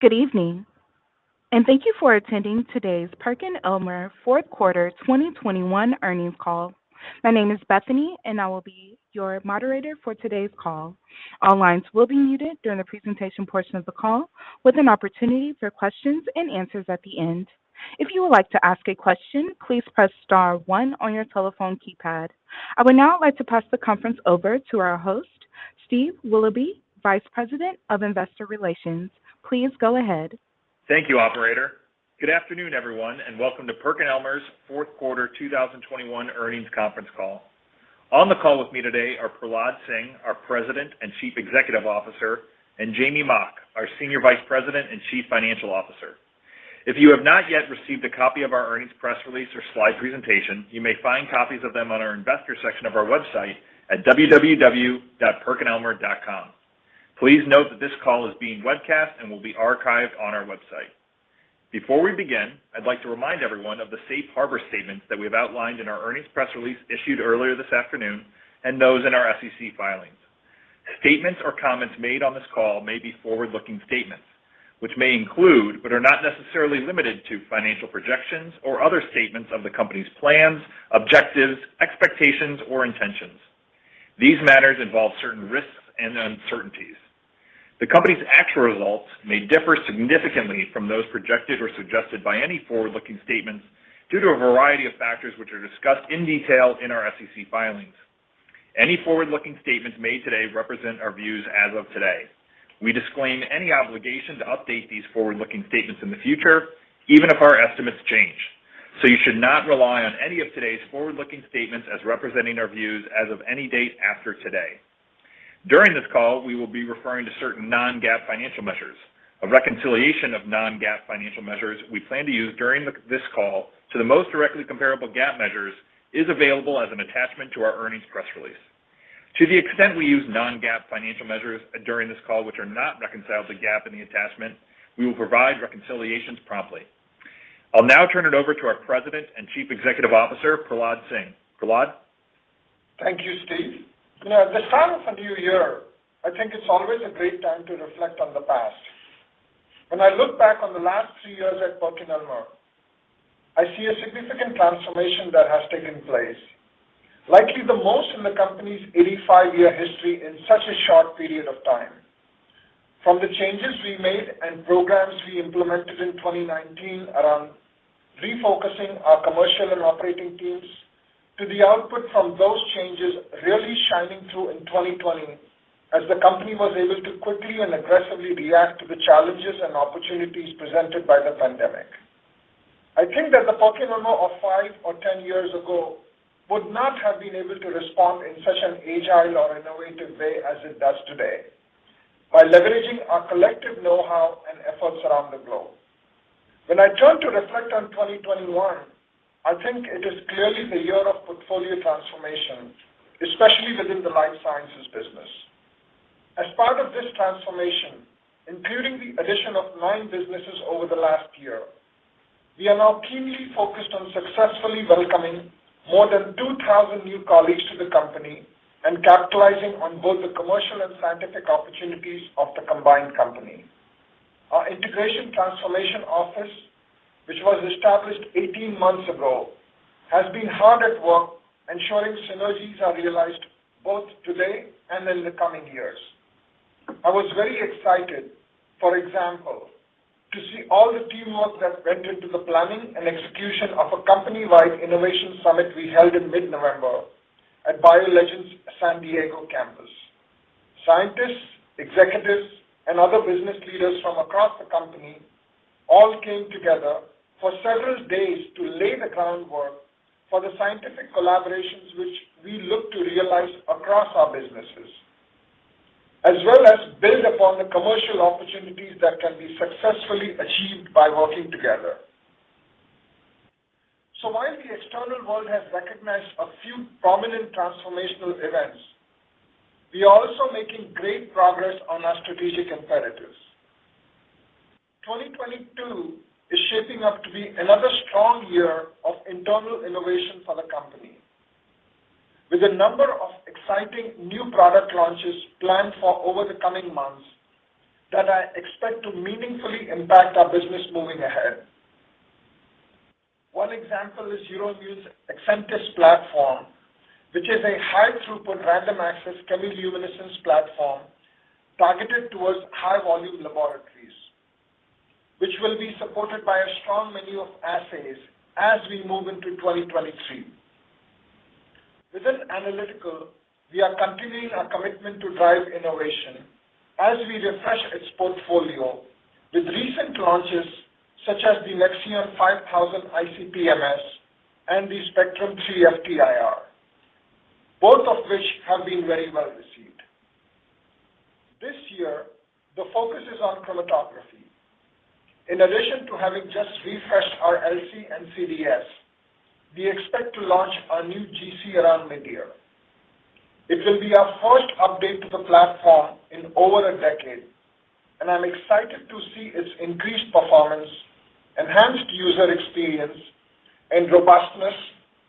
Good evening, and thank you for attending today's PerkinElmer fourth quarter 2021 earnings call. My name is Bethany, and I will be your moderator for today's call. All lines will be muted during the presentation portion of the call with an opportunity for questions and answers at the end. If you would like to ask a question, please press star one on your telephone keypad. I would now like to pass the conference over to our host, Steve Willoughby, Vice President of Investor Relations. Please go ahead. Thank you, operator. Good afternoon, everyone, and welcome to PerkinElmer's fourth quarter 2021 earnings conference call. On the call with me today are Prahlad Singh, our President and Chief Executive Officer, and Jamey Mock, our Senior Vice President and Chief Financial Officer. If you have not yet received a copy of our earnings press release or slide presentation, you may find copies of them on our investor section of our website at www.perkinelmer.com. Please note that this call is being webcast and will be archived on our website. Before we begin, I'd like to remind everyone of the safe harbor statements that we have outlined in our earnings press release issued earlier this afternoon and those in our SEC filings. Statements or comments made on this call may be forward-looking statements, which may include, but are not necessarily limited to financial projections or other statements of the company's plans, objectives, expectations, or intentions. These matters involve certain risks and uncertainties. The company's actual results may differ significantly from those projected or suggested by any forward-looking statements due to a variety of factors which are discussed in detail in our SEC filings. Any forward-looking statements made today represent our views as of today. We disclaim any obligation to update these forward-looking statements in the future, even if our estimates change. You should not rely on any of today's forward-looking statements as representing our views as of any date after today. During this call, we will be referring to certain non-GAAP financial measures. A reconciliation of non-GAAP financial measures we plan to use during this call to the most directly comparable GAAP measures is available as an attachment to our earnings press release. To the extent we use non-GAAP financial measures during this call which are not reconciled to GAAP in the attachment, we will provide reconciliations promptly. I'll now turn it over to our President and Chief Executive Officer, Prahlad Singh. Prahlad. Thank you, Steve. You know, at the start of a new year, I think it's always a great time to reflect on the past. When I look back on the last three years at PerkinElmer, I see a significant transformation that has taken place, likely the most in the company's 85-year history in such a short period of time. From the changes we made and programs we implemented in 2019 around refocusing our commercial and operating teams to the output from those changes really shining through in 2020 as the company was able to quickly and aggressively react to the challenges and opportunities presented by the pandemic. I think that the PerkinElmer of five or 10 years ago would not have been able to respond in such an agile or innovative way as it does today by leveraging our collective know-how and efforts around the globe. When I turn to reflect on 2021, I think it is clearly the year of portfolio transformation, especially within the life sciences business. As part of this transformation, including the addition of nine businesses over the last year, we are now keenly focused on successfully welcoming more than 2,000 new colleagues to the company and capitalizing on both the commercial and scientific opportunities of the combined company. Our integration transformation office, which was established 18 months ago, has been hard at work ensuring synergies are realized both today and in the coming years. I was very excited, for example, to see all the teamwork that went into the planning and execution of a company-wide innovation summit we held in mid-November at BioLegend's San Diego campus. Scientists, executives, and other business leaders from across the company all came together for several days to lay the groundwork for the scientific collaborations which we look to realize across our businesses, as well as build upon the commercial opportunities that can be successfully achieved by working together. While the external world has recognized a few prominent transformational events, we are also making great progress on our strategic imperatives. 2022 is shaping up to be another strong year of internal innovation for the company with a number of exciting new product launches planned for over the coming months that I expect to meaningfully impact our business moving ahead. One example is Euroimmun's IDS-iSYS platform, which is a high-throughput random access chemiluminescence platform targeted towards high-volume laboratories, which will be supported by a strong menu of assays as we move into 2023. Within analytical, we are continuing our commitment to drive innovation as we refresh its portfolio with recent launches such as the NexION 5000 ICP-MS and the Spectrum 3 FT-IR, both of which have been very well received. This year, the focus is on chromatography. In addition to having just refreshed our LC and CDS, we expect to launch our new GC around mid-year. It will be our first update to the platform in over a decade, and I'm excited to see its increased performance, enhanced user experience, and robustness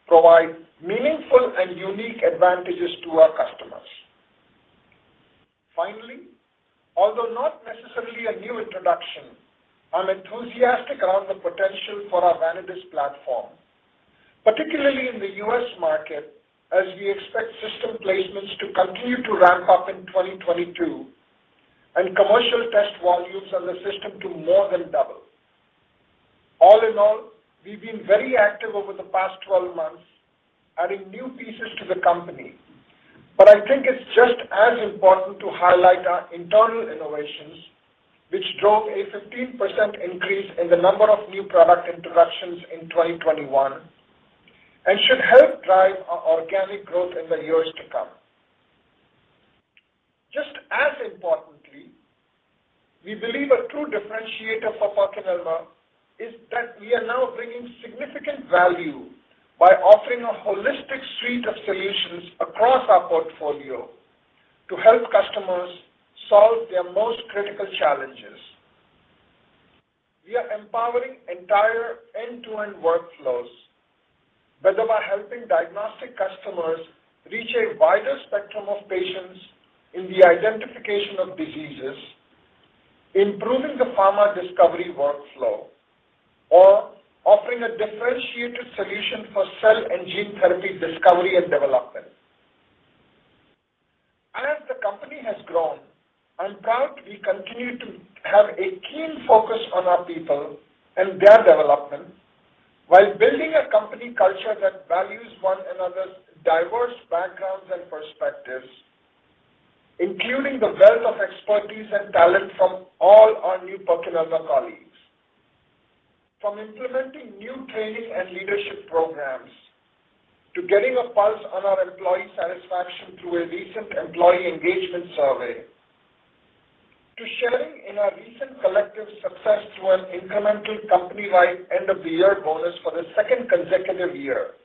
provide meaningful and unique advantages to our customers. Finally, although not necessarily a new introduction, I'm enthusiastic around the potential for our Vanadis platform, particularly in the U.S. market, as we expect system placements to continue to ramp up in 2022 and commercial test volumes on the system to more than double. All in all, we've been very active over the past 12 months, adding new pieces to the company. I think it's just as important to highlight our internal innovations, which drove a 15% increase in the number of new product introductions in 2021 and should help drive our organic growth in the years to come. Just as importantly, we believe a true differentiator for PerkinElmer is that we are now bringing significant value by offering a holistic suite of solutions across our portfolio to help customers solve their most critical challenges. We are empowering entire end-to-end workflows, whether by helping diagnostic customers reach a wider spectrum of patients in the identification of diseases, improving the pharma discovery workflow, or offering a differentiated solution for cell and gene therapy discovery and development. As the company has grown, I'm proud we continue to have a keen focus on our people and their development while building a company culture that values one another's diverse backgrounds and perspectives, including the wealth of expertise and talent from all our new PerkinElmer colleagues. From implementing new training and leadership programs, to getting a pulse on our employee satisfaction through a recent employee engagement survey, to sharing in our recent collective success through an incremental company-wide end of the year bonus for the second consecutive year.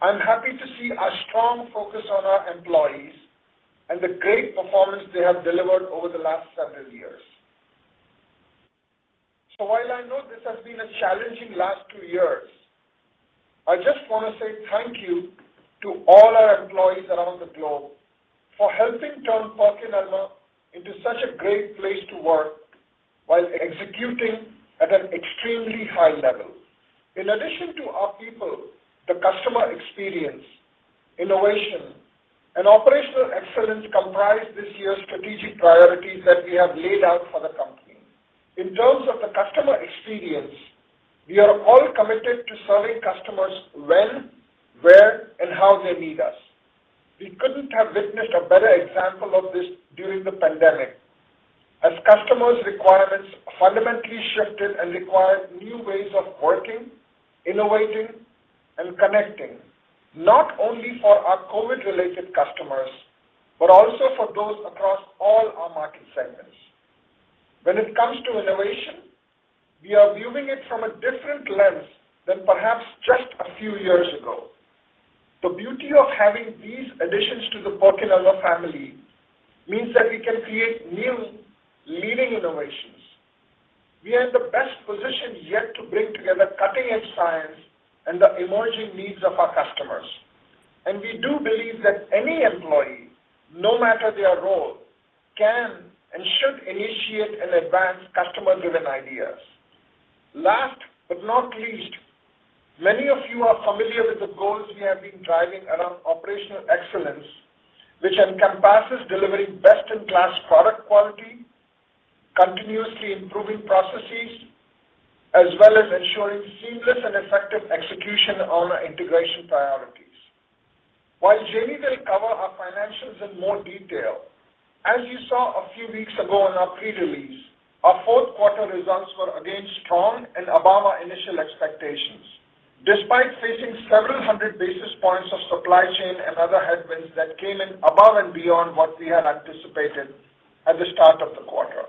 I'm happy to see a strong focus on our employees and the great performance they have delivered over the last several years. While I know this has been a challenging last two years, I just want to say thank you to all our employees around the globe for helping turn PerkinElmer into such a great place to work while executing at an extremely high level. In addition to our people, the customer experience, innovation, and operational excellence comprise this year's strategic priorities that we have laid out for the company. In terms of the customer experience, we are all committed to serving customers when, where, and how they need us. We couldn't have witnessed a better example of this during the pandemic as customers' requirements fundamentally shifted and required new ways of working, innovating, and connecting, not only for our COVID-related customers, but also for those across all our market segments. When it comes to innovation, we are viewing it from a different lens than perhaps just a few years ago. The beauty of having these additions to the PerkinElmer family means that we can create new leading innovations. We are in the best position yet to bring together cutting-edge science and the emerging needs of our customers. We do believe that any employee, no matter their role, can and should initiate and advance customer-driven ideas. Last but not least, many of you are familiar with the goals we have been driving around operational excellence, which encompasses delivering best-in-class product quality, continuously improving processes, as well as ensuring seamless and effective execution on our integration priorities. While Jamie will cover our financials in more detail, as you saw a few weeks ago on our pre-release, our fourth quarter results were again strong and above our initial expectations, despite facing several hundred basis points of supply chain and other headwinds that came in above and beyond what we had anticipated at the start of the quarter.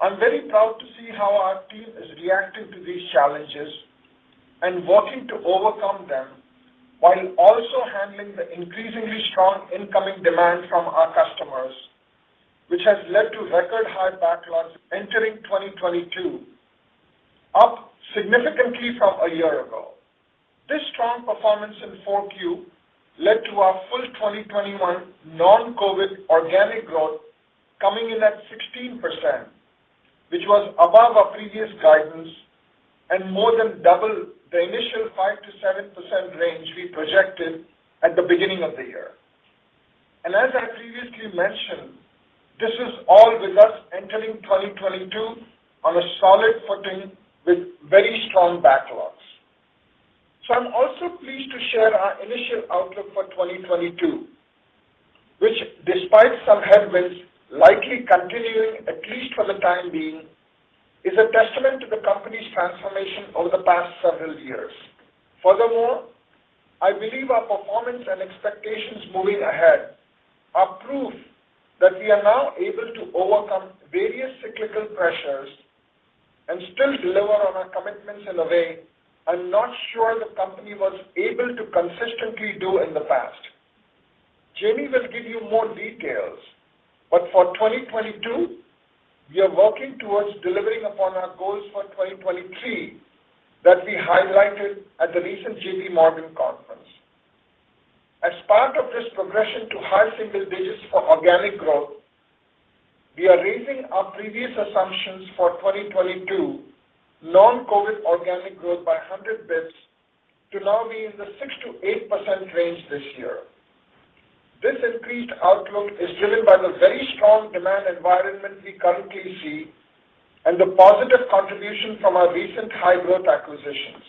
I'm very proud to see how our team has reacted to these challenges and working to overcome them while also handling the increasingly strong incoming demand from our customers, which has led to record high backlogs entering 2022, up significantly from a year ago. This strong performance in Q4 led to our full 2021 non-COVID organic growth coming in at 16%, which was above our previous guidance and more than double the initial 5%-7% range we projected at the beginning of the year. As I previously mentioned, this is all with us entering 2022 on a solid footing with very strong backlogs. I'm also pleased to share our initial outlook for 2022, which despite some headwinds, likely continuing at least for the time being, is a testament to the company's transformation over the past several years. Furthermore, I believe our performance and expectations moving ahead are proof that we are now able to overcome various cyclical pressures and still deliver on our commitments in a way I'm not sure the company was able to consistently do in the past. Jamie will give you more details, but for 2022, we are working towards delivering upon our goals for 2023 that we highlighted at the recent JPMorgan conference. As part of this progression to high single digits for organic growth, we are raising our previous assumptions for 2022 non-COVID organic growth by 100 basis points to now be in the 6%-8% range this year. This increased outlook is driven by the very strong demand environment we currently see and the positive contribution from our recent high growth acquisitions.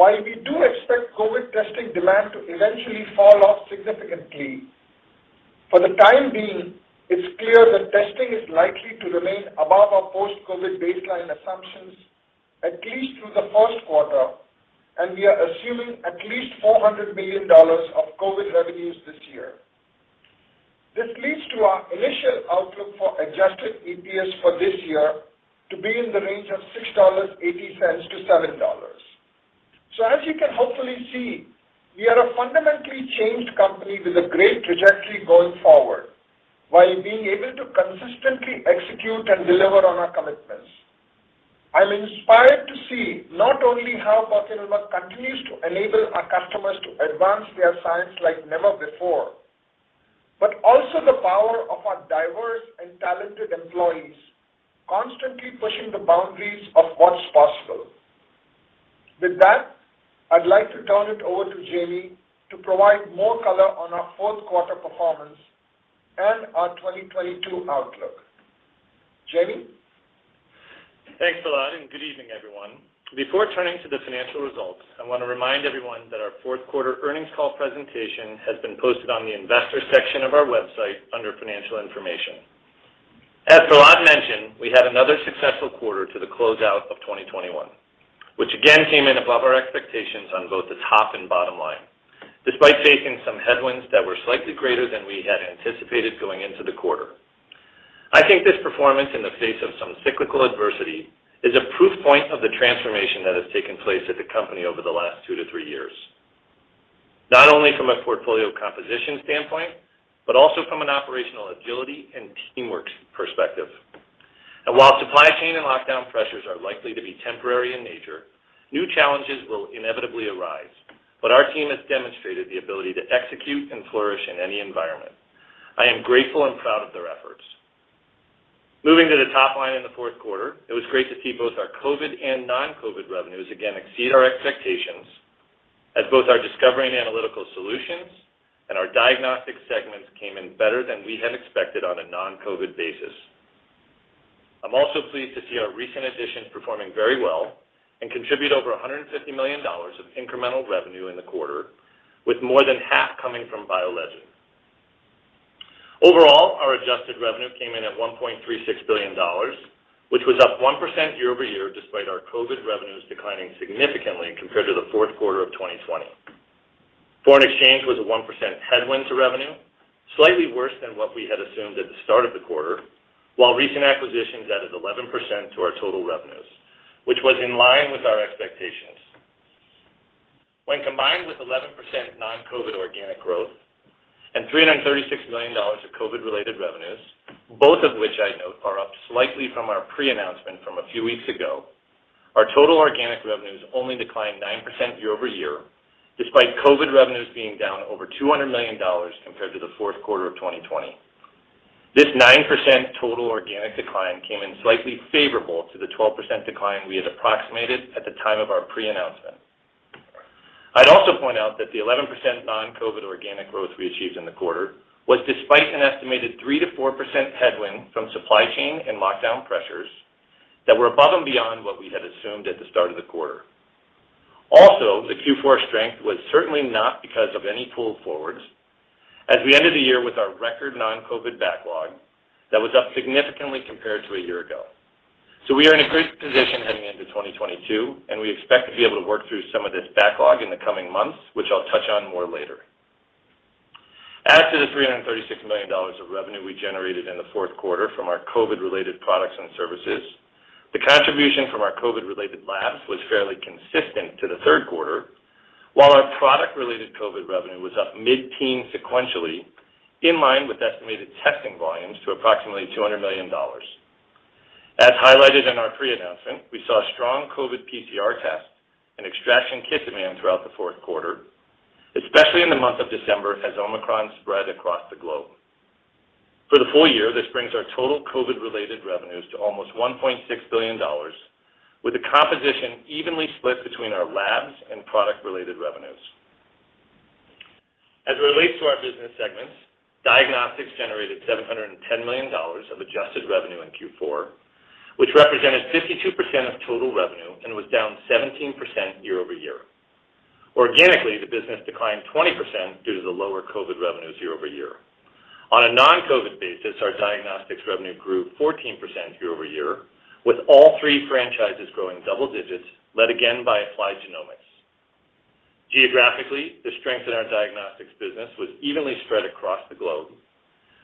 While we do expect COVID testing demand to eventually fall off significantly, for the time being, it's clear that testing is likely to remain above our post-COVID baseline assumptions at least through the first quarter, and we are assuming at least $400 million of COVID revenues this year. This leads to our initial outlook for Adjusted EPS for this year to be in the range of $6.80-$7. As you can hopefully see, we are a fundamentally changed company with a great trajectory going forward while being able to consistently execute and deliver on our commitments. I'm inspired to see not only how PerkinElmer continues to enable our customers to advance their science like never before, but also the power of our diverse and talented employees constantly pushing the boundaries of what's possible. With that, I'd like to turn it over to Jamey to provide more color on our fourth quarter performance and our 2022 outlook. Jamey? Thanks, Prahlad, and good evening, everyone. Before turning to the financial results, I want to remind everyone that our fourth quarter earnings call presentation has been posted on the investor section of our website under Financial Information. As Prahlad mentioned, we had another successful quarter to the closeout of 2021, which again came in above our expectations on both the top and bottom line, despite facing some headwinds that were slightly greater than we had anticipated going into the quarter. I think this performance in the face of some cyclical adversity is a proof point of the transformation that has taken place at the company over the last two to three years. Not only from a portfolio composition standpoint, but also from an operational agility and teamwork perspective. While supply chain and lockdown pressures are likely to be temporary in nature, new challenges will inevitably arise. Our team has demonstrated the ability to execute and flourish in any environment. I am grateful and proud of their efforts. Moving to the top line in the fourth quarter, it was great to see both our COVID and non-COVID revenues again exceed our expectations as both our discovery and analytical solutions and our diagnostic segments came in better than we had expected on a non-COVID basis. I'm also pleased to see our recent additions performing very well and contribute over $150 million of incremental revenue in the quarter, with more than half coming from BioLegend. Overall, our adjusted revenue came in at $1.36 billion, which was up 1% year-over-year, despite our COVID revenues declining significantly compared to the fourth quarter of 2020. Foreign exchange was a 1% headwind to revenue, slightly worse than what we had assumed at the start of the quarter, while recent acquisitions added 11% to our total revenues, which was in line with our expectations. When combined with 11% non-COVID organic growth and $336 million of COVID-related revenues, both of which I note are up slightly from our pre-announcement from a few weeks ago, our total organic revenues only declined 9% year-over-year, despite COVID revenues being down over $200 million compared to the fourth quarter of 2020. This 9% total organic decline came in slightly favorable to the 12% decline we had approximated at the time of our pre-announcement. I'd also point out that the 11% non-COVID organic growth we achieved in the quarter was despite an estimated 3%-4% headwind from supply chain and lockdown pressures that were above and beyond what we had assumed at the start of the quarter. Also, the Q4 strength was certainly not because of any pull forwards as we ended the year with our record non-COVID backlog that was up significantly compared to a year ago. We are in a great position heading into 2022, and we expect to be able to work through some of this backlog in the coming months, which I'll touch on more later. As to the $336 million of revenue we generated in the fourth quarter from our COVID-related products and services, the contribution from our COVID-related labs was fairly consistent to the third quarter, while our product-related COVID revenue was up mid-teens sequentially, in line with estimated testing volumes to approximately $200 million. As highlighted in our pre-announcement, we saw strong COVID PCR test and extraction kit demand throughout the fourth quarter, especially in the month of December as Omicron spread across the globe. For the full year, this brings our total COVID-related revenues to almost $1.6 billion, with the composition evenly split between our labs and product-related revenues. As it relates to our business segments, Diagnostics generated $710 million of adjusted revenue in Q4, which represented 52% of total revenue and was down 17% year-over-year. Organically, the business declined 20% due to the lower COVID revenues year-over-year. On a non-COVID basis, our Diagnostics revenue grew 14% year-over-year, with all three franchises growing double digits, led again by Applied Genomics. Geographically, the strength in our Diagnostics business was evenly spread across the globe,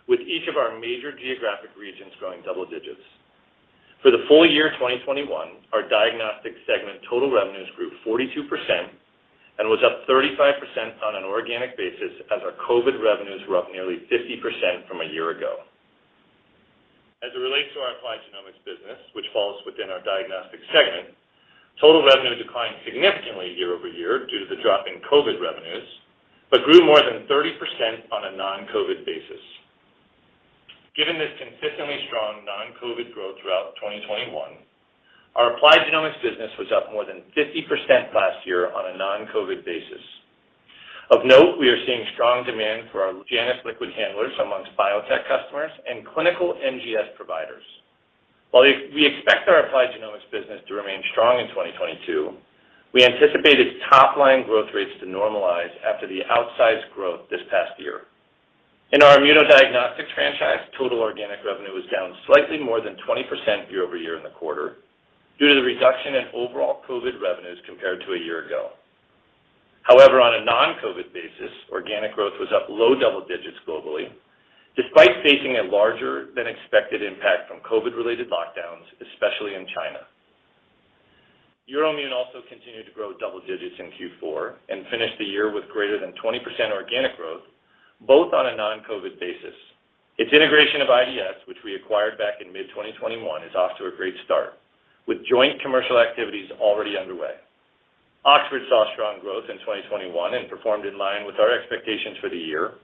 with each of our major geographic regions growing double digits. For the full year 2021, our Diagnostic segment total revenues grew 42% and was up 35% on an organic basis as our COVID revenues were up nearly 50% from a year ago. As it relates to our Applied Genomics business, which falls within our Diagnostics segment, total revenue declined significantly year-over-year due to the drop in COVID revenues, but grew more than 30% on a non-COVID basis. Given this consistently strong non-COVID growth throughout 2021, our Applied Genomics business was up more than 50% last year on a non-COVID basis. Of note, we are seeing strong demand for our JANUS liquid handlers amongst biotech customers and clinical NGS providers. While we expect our Applied Genomics business to remain strong in 2022, we anticipated top-line growth rates to normalize after the outsized growth this past year. In our Immunodiagnostics franchise, total organic revenue was down slightly more than 20% year-over-year in the quarter due to the reduction in overall COVID revenues compared to a year ago. However, on a non-COVID basis, organic growth was up low double digits globally, despite facing a larger than expected impact from COVID-related lockdowns, especially in China. Euroimmun also continued to grow double digits in Q4 and finished the year with greater than 20% organic growth, both on a non-COVID basis. Its integration of IDS, which we acquired back in mid-2021, is off to a great start with joint commercial activities already underway. Oxford saw strong growth in 2021 and performed in line with our expectations for the year,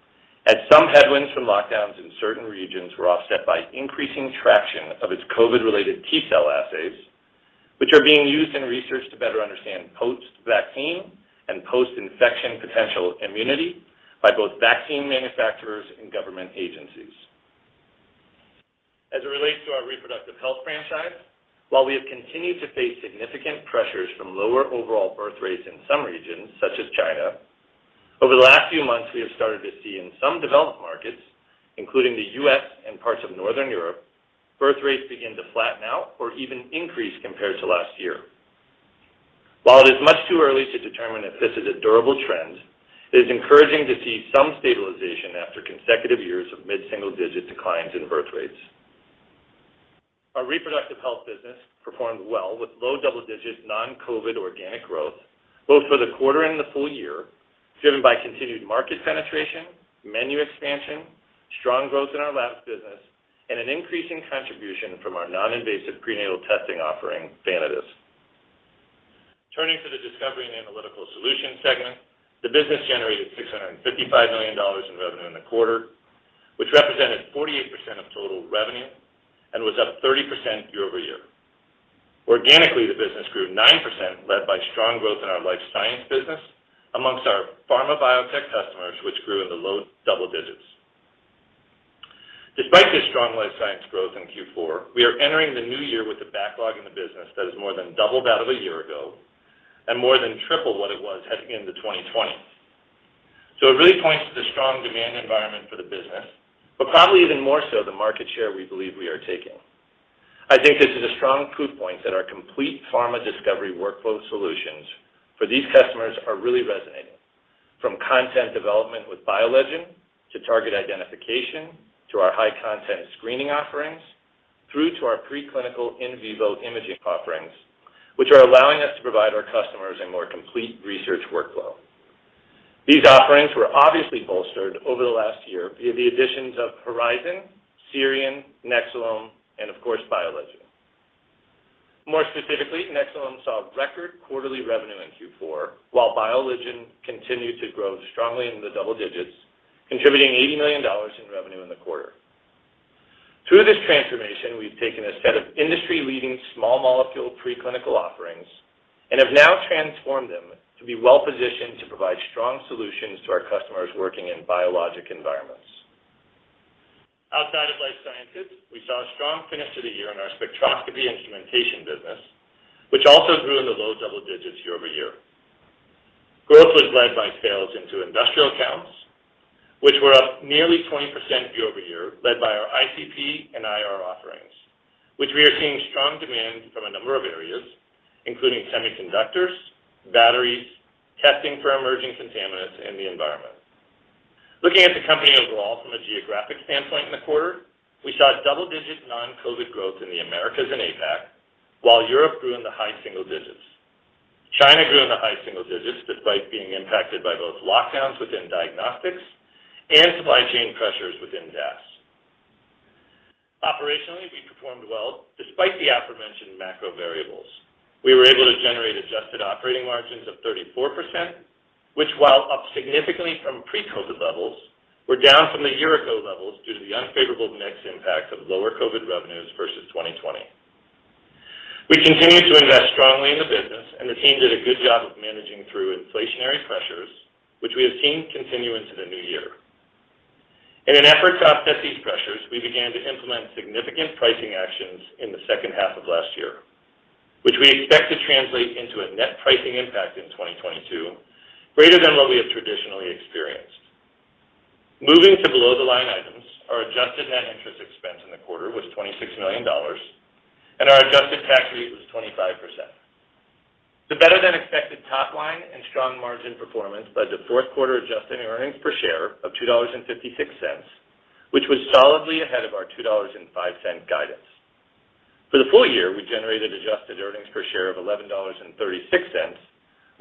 as some headwinds from lockdowns in certain regions were offset by increasing traction of its COVID-related T-cell assays, which are being used in research to better understand post-vaccine and post-infection potential immunity by both vaccine manufacturers and government agencies. As it relates to our reproductive health franchise, while we have continued to face significant pressures from lower overall birth rates in some regions, such as China, over the last few months, we have started to see in some developed markets, including the U.S. and parts of Northern Europe, birth rates begin to flatten out or even increase compared to last year. While it is much too early to determine if this is a durable trend, it is encouraging to see some stabilization after consecutive years of mid-single-digit declines in birth rates. Our reproductive health business performed well with low double-digit non-COVID organic growth, both for the quarter and the full year, driven by continued market penetration, menu expansion, strong growth in our labs business, and an increasing contribution from our non-invasive prenatal testing offering, Vanadis. Turning to the discovery and analytical solutions segment, the business generated $655 million in revenue in the quarter, which represented 48% of total revenue and was up 30% year-over-year. Organically, the business grew 9%, led by strong growth in our life science business amongst our pharma biotech customers, which grew in the low double digits. Despite this strong life science growth in Q4, we are entering the new year with a backlog in the business that is more than double that of a year ago and more than triple what it was heading into 2020. It really points to the strong demand environment for the business, but probably even more so the market share we believe we are taking. I think this is a strong proof point that our complete pharma discovery workflow solutions for these customers are really resonating from content development with BioLegend, to target identification, to our high content screening offerings, through to our preclinical in vivo imaging offerings, which are allowing us to provide our customers a more complete research workflow. These offerings were obviously bolstered over the last year via the additions of Horizon, SIRION, Nexcelom, and of course, BioLegend. More specifically, Nexcelom saw record quarterly revenue in Q4, while BioLegend continued to grow strongly in the double digits, contributing $80 million in revenue in the quarter. Through this transformation, we've taken a set of industry-leading small molecule preclinical offerings and have now transformed them to be well-positioned to provide strong solutions to our customers working in biologic environments. Outside of life sciences, we saw a strong finish to the year in our spectroscopy instrumentation business, which also grew in the low double digits year over year. Growth was led by sales into industrial accounts, which were up nearly 20% year-over-year, led by our ICP and IR offerings, which we are seeing strong demand from a number of areas, including semiconductors, batteries, testing for emerging contaminants in the environment. Looking at the company overall from a geographic standpoint in the quarter, we saw double-digit non-COVID growth in the Americas and APAC, while Europe grew in the high single digits. China grew in the high single digits, despite being impacted by both lockdowns within diagnostics and supply chain pressures within DAS. Operationally, we performed well despite the aforementioned macro variables. We were able to generate adjusted operating margins of 34%, which while up significantly from pre-COVID levels, were down from the year ago levels due to the unfavorable mix impact of lower COVID revenues versus 2020. We continued to invest strongly in the business, and the team did a good job of managing through inflationary pressures, which we have seen continue into the new year. In an effort to offset these pressures, we began to implement significant pricing actions in the second half of last year, which we expect to translate into a net pricing impact in 2022, greater than what we have traditionally experienced. Moving to below the line items, our adjusted net interest expense in the quarter was $26 million, and our adjusted tax rate was 25%. Margin performance led to fourth-quarter adjusted earnings per share of $2.56, which was solidly ahead of our $2.05 guidance. For the full year, we generated adjusted earnings per share of $11.36,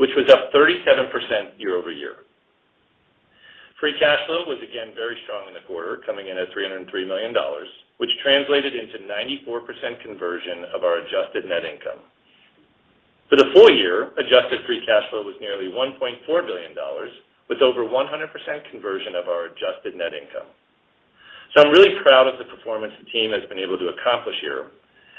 which was up 37% year-over-year. Free cash flow was again very strong in the quarter, coming in at $303 million, which translated into 94% conversion of our adjusted net income. For the full year, adjusted free cash flow was nearly $1.4 billion, with over 100% conversion of our adjusted net income. I'm really proud of the performance the team has been able to accomplish here,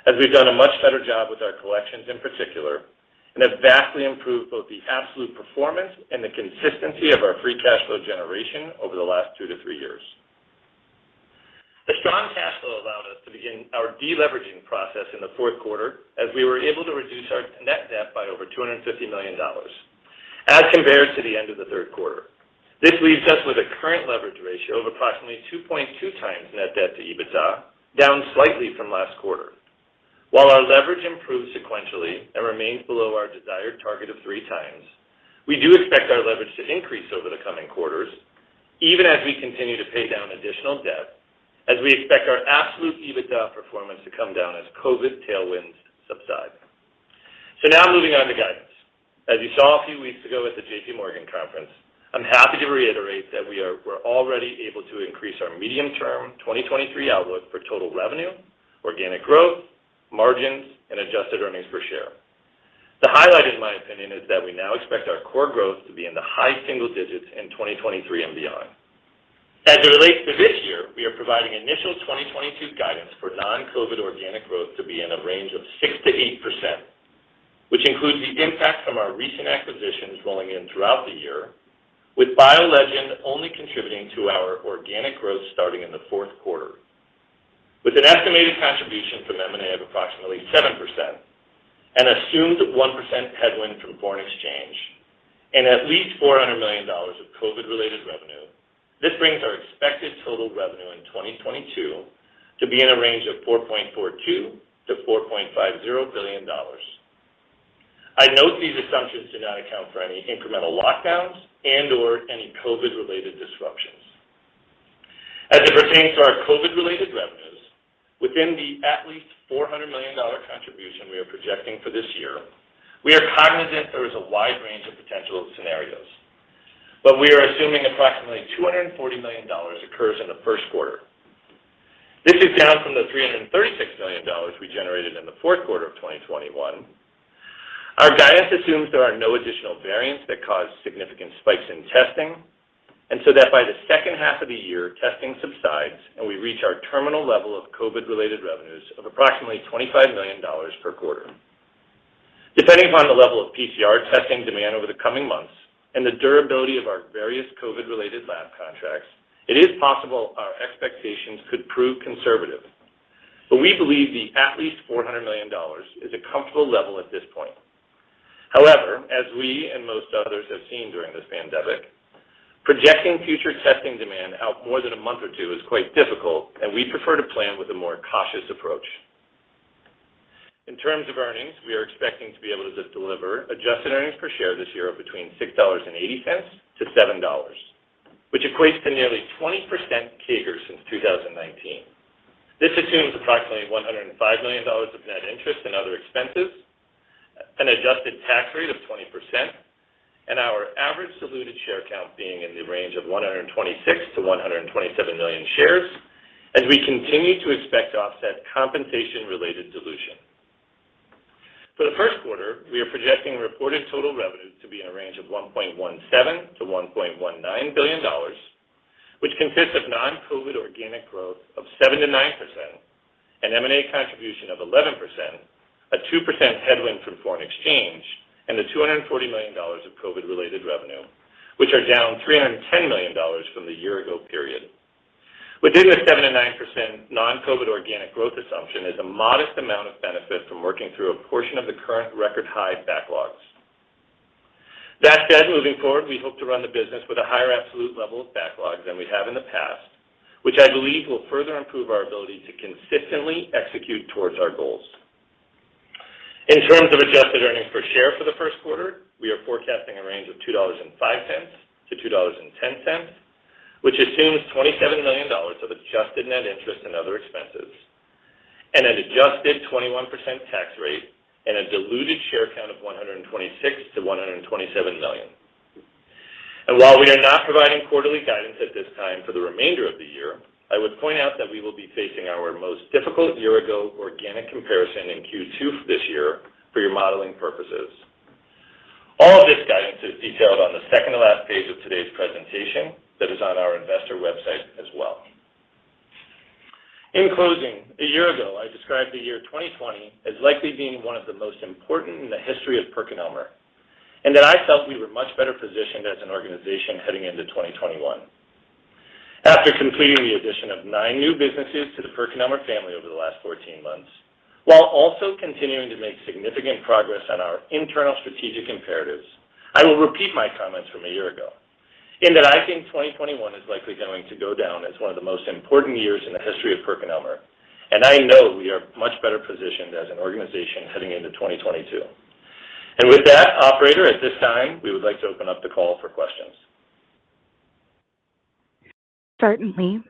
as we've done a much better job with our collections in particular, and have vastly improved both the absolute performance and the consistency of our free cash flow generation over the last two to three years. The strong cash flow allowed us to begin our de-leveraging process in the fourth quarter, as we were able to reduce our net debt by over $250 million as compared to the end of the third quarter. This leaves us with a current leverage ratio of approximately 2.2x net debt to EBITDA, down slightly from last quarter. While our leverage improved sequentially and remains below our desired target of 3x, we do expect our leverage to increase over the coming quarters even as we continue to pay down additional debt, as we expect our absolute EBITDA performance to come down as COVID tailwinds subside. Now, moving on to guidance. As you saw a few weeks ago at the JPMorgan conference, I'm happy to reiterate that we're already able to increase our medium-term 2023 outlook for total revenue, organic growth, margins, and adjusted earnings per share. The highlight, in my opinion, is that we now expect our core growth to be in the high single digits in 2023 and beyond. As it relates to this year, we are providing initial 2022 guidance for non-COVID organic growth to be in a range of 6%-8%, which includes the impact from our recent acquisitions rolling in throughout the year, with BioLegend only contributing to our organic growth starting in the fourth quarter. With an estimated contribution from M&A of approximately 7% and assumed 1% headwind from foreign exchange and at least $400 million of COVID-related revenue, this brings our expected total revenue in 2022 to be in a range of $4.42 billion-$4.50 billion. I note these assumptions do not account for any incremental lockdowns and/or any COVID-related disruptions. As it pertains to our COVID-related revenues, within the at least $400 million contribution we are projecting for this year, we are cognizant there is a wide range of potential scenarios, but we are assuming approximately $240 million occurs in the first quarter. This is down from the $336 million we generated in the fourth quarter of 2021. Our guidance assumes there are no additional variants that cause significant spikes in testing, and so that by the second half of the year, testing subsides, and we reach our terminal level of COVID-related revenues of approximately $25 million per quarter. Depending upon the level of PCR testing demand over the coming months and the durability of our various COVID-related lab contracts, it is possible our expectations could prove conservative, but we believe the at least $400 million is a comfortable level at this point. However, as we and most others have seen during this pandemic, projecting future testing demand out more than a month or two is quite difficult, and we prefer to plan with a more cautious approach. In terms of earnings, we are expecting to be able to deliver adjusted earnings per share this year of between $6.80 and $7, which equates to nearly 20% CAGR since 2019. This assumes approximately $105 million of net interest and other expenses, an adjusted tax rate of 20%, and our average diluted share count being in the range of 126-127 million shares as we continue to expect to offset compensation-related dilution. For the first quarter, we are projecting reported total revenue to be in a range of $1.17-$1.19 billion, which consists of non-COVID organic growth of 7%-9%, an M&A contribution of 11%, a 2% headwind from foreign exchange, and the $240 million of COVID-related revenue, which are down $310 million from the year ago period. Within the 7%-9% non-COVID organic growth assumption is a modest amount of benefit from working through a portion of the current record high backlogs. That said, moving forward, we hope to run the business with a higher absolute level of backlogs than we have in the past, which I believe will further improve our ability to consistently execute towards our goals. In terms of adjusted earnings per share for the first quarter, we are forecasting a range of $2.05-$2.10, which assumes $27 million of adjusted net interest and other expenses and an adjusted 21% tax rate and a diluted share count of 126-127 million. While we are not providing quarterly guidance at this time for the remainder of the year, I would point out that we will be facing our most difficult year ago organic comparison in Q2 this year for your modeling purposes. All of this guidance is detailed on the second to last page of today's presentation. That is on our investor website as well. In closing, a year ago, I described the year 2020 as likely being one of the most important in the history of PerkinElmer, and that I felt we were much better positioned as an organization heading into 2021. After completing the addition of nine new businesses to the PerkinElmer family over the last 14 months, while also continuing to make significant progress on our internal strategic imperatives, I will repeat my comments from a year ago. In that I think 2021 is likely going to go down as one of the most important years in the history of PerkinElmer, and I know we are much better positioned as an organization heading into 2022. With that, operator, at this time, we would like to open up the call for questions. Certainly.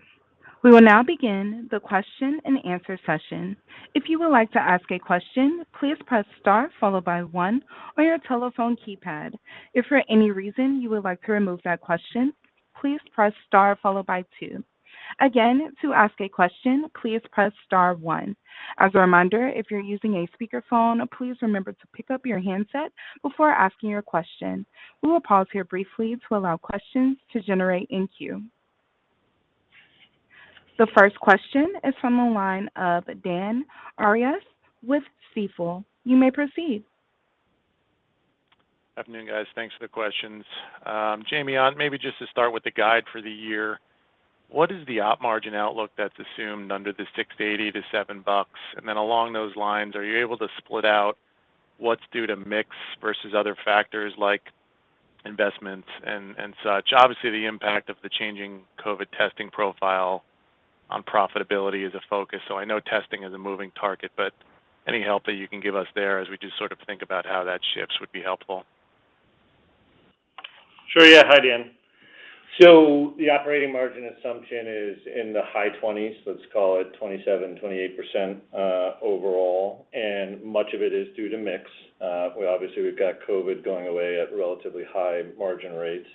We will now begin the question and answer session. If you would like to ask a question, please press star followed by one on your telephone keypad. If for any reason you would like to remove that question, please press star followed by two. Again, to ask a question, please press star one. As a reminder, if you're using a speakerphone, please remember to pick up your handset before asking your question. We will pause here briefly to allow questions to generate in queue. The first question is from the line of Daniel Arias with Stifel. You may proceed. Afternoon, guys. Thanks for the questions. Jamey, on maybe just to start with the guide for the year, what is the op margin outlook that's assumed under the $6.80-$7? Then along those lines, are you able to split out what's due to mix versus other factors like investments and such? Obviously, the impact of the changing COVID testing profile on profitability is a focus. I know testing is a moving target, but any help that you can give us there as we just sort of think about how that shifts would be helpful. Sure, yeah. Hi, Dan. The operating margin assumption is in the high 20s, let's call it 27%, 28%, overall, and much of it is due to mix. We've obviously got COVID going away at relatively high margin rates,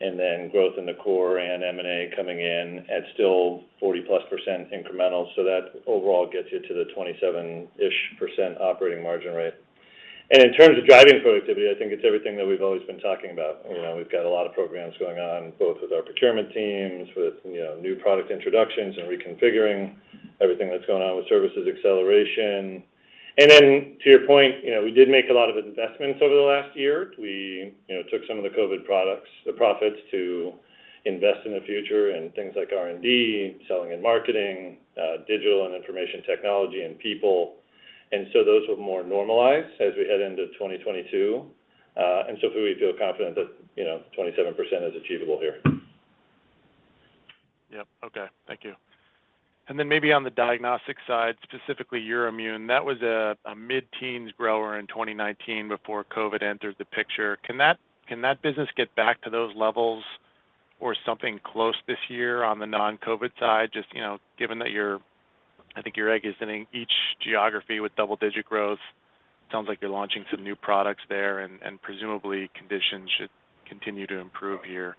and then growth in the core and M&A coming in at still 40+% incremental. That overall gets you to the 27%-ish operating margin rate. In terms of driving productivity, I think it's everything that we've always been talking about. You know, we've got a lot of programs going on, both with our procurement teams, with, you know, new product introductions and reconfiguring everything that's going on with services acceleration. Then to your point, you know, we did make a lot of investments over the last year. We, you know, took some of the profits from the COVID products to invest in the future and things like R&D, selling and marketing, digital and information technology and people. Those will more normalize as we head into 2022. We feel confident that, you know, 27% is achievable here. Yep. Okay. Thank you. Then maybe on the diagnostic side, specifically Euroimmun, that was a mid-teens grower in 2019 before COVID entered the picture. Can that business get back to those levels or something close this year on the non-COVID side, just, you know, given that you're, I think you're anticipating each geography with double-digit growth. Sounds like you're launching some new products there, and presumably conditions should continue to improve here.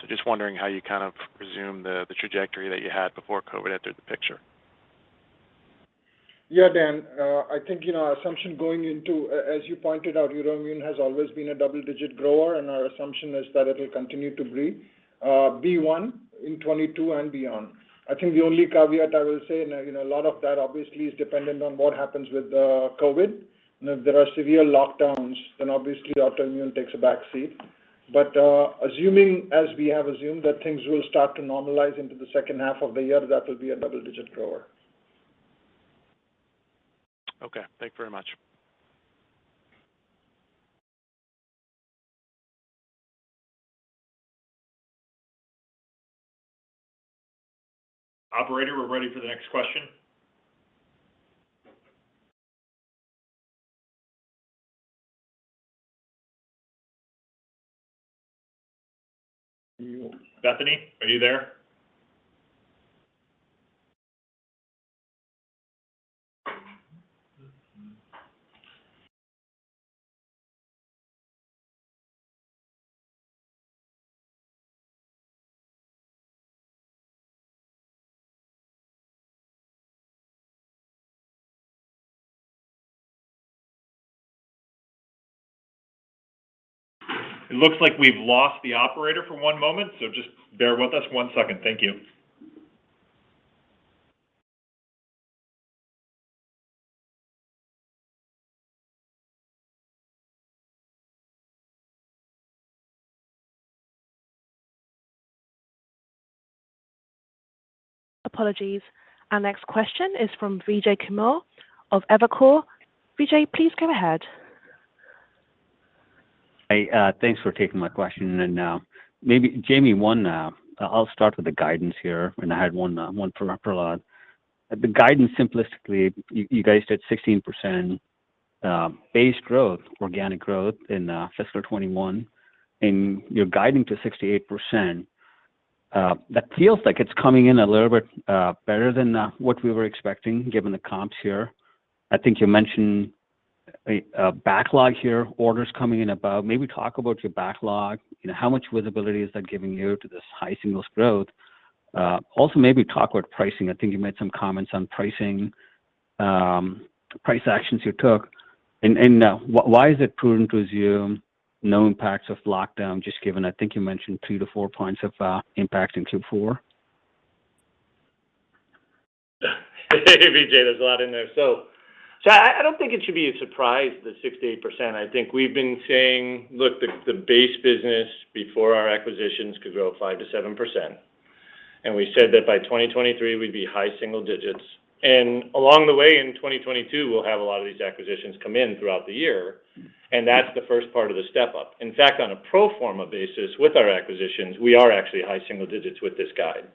So just wondering how you kind of presume the trajectory that you had before COVID entered the picture? Yeah, Dan. I think, you know, our assumption going into, as you pointed out, Euroimmun has always been a double-digit grower, and our assumption is that it will continue to be one in 2022 and beyond. I think the only caveat I will say, you know, a lot of that obviously is dependent on what happens with COVID. If there are severe lockdowns, then obviously Euroimmun takes a back seat. Assuming, as we have assumed, that things will start to normalize into the second half of the year, that will be a double-digit grower. Okay. Thank you very much. Operator, we're ready for the next question. Bethany, are you there? It looks like we've lost the operator for one moment, so just bear with us one second. Thank you. Apologies. Our next question is from Vijay Kumar of Evercore. Vijay, please go ahead. Hey, thanks for taking my question. Maybe Jamey, one, I'll start with the guidance here, and I had one for Prahlad. The guidance, simplistically, you guys did 16% base growth, organic growth in fiscal 2021, and you're guiding to 68%. That feels like it's coming in a little bit better than what we were expecting, given the comps here. I think you mentioned a backlog here, orders coming in above. Maybe talk about your backlog, you know, how much visibility is that giving you to this high singles growth. Also maybe talk about pricing. I think you made some comments on pricing, price actions you took. Why is it prudent to assume no impacts of lockdown, just given I think you mentioned 3-4 points of impact in Q4? Vijay, there's a lot in there. I don't think it should be a surprise, the 68%. I think we've been saying, look, the base business before our acquisitions could grow 5%-7%. We said that by 2023, we'd be high single digits. Along the way in 2022, we'll have a lot of these acquisitions come in throughout the year, and that's the first part of the step-up. In fact, on a pro forma basis with our acquisitions, we are actually high single digits with this guide.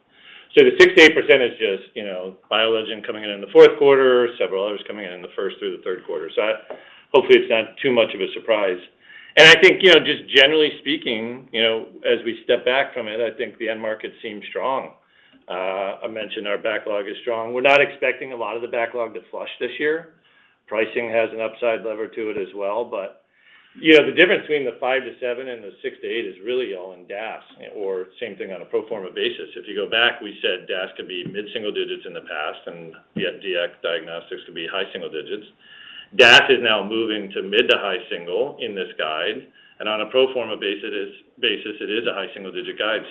The 6%-8% is just, you know, BioLegend coming in in the fourth quarter, several others coming in in the first through the third quarter. Hopefully it's not too much of a surprise. I think, you know, just generally speaking, you know, as we step back from it, I think the end market seems strong. I mentioned our backlog is strong. We're not expecting a lot of the backlog to flush this year. Pricing has an upside lever to it as well. You know, the difference between the 5%-7% and the 6%-8% is really all in DAS or same thing on a pro forma basis. If you go back, we said DAS could be mid-single digits in the past, and we had DX diagnostics could be high single digits. DAS is now moving to mid to high single in this guide, and on a pro forma basis, it is a high single-digit guide.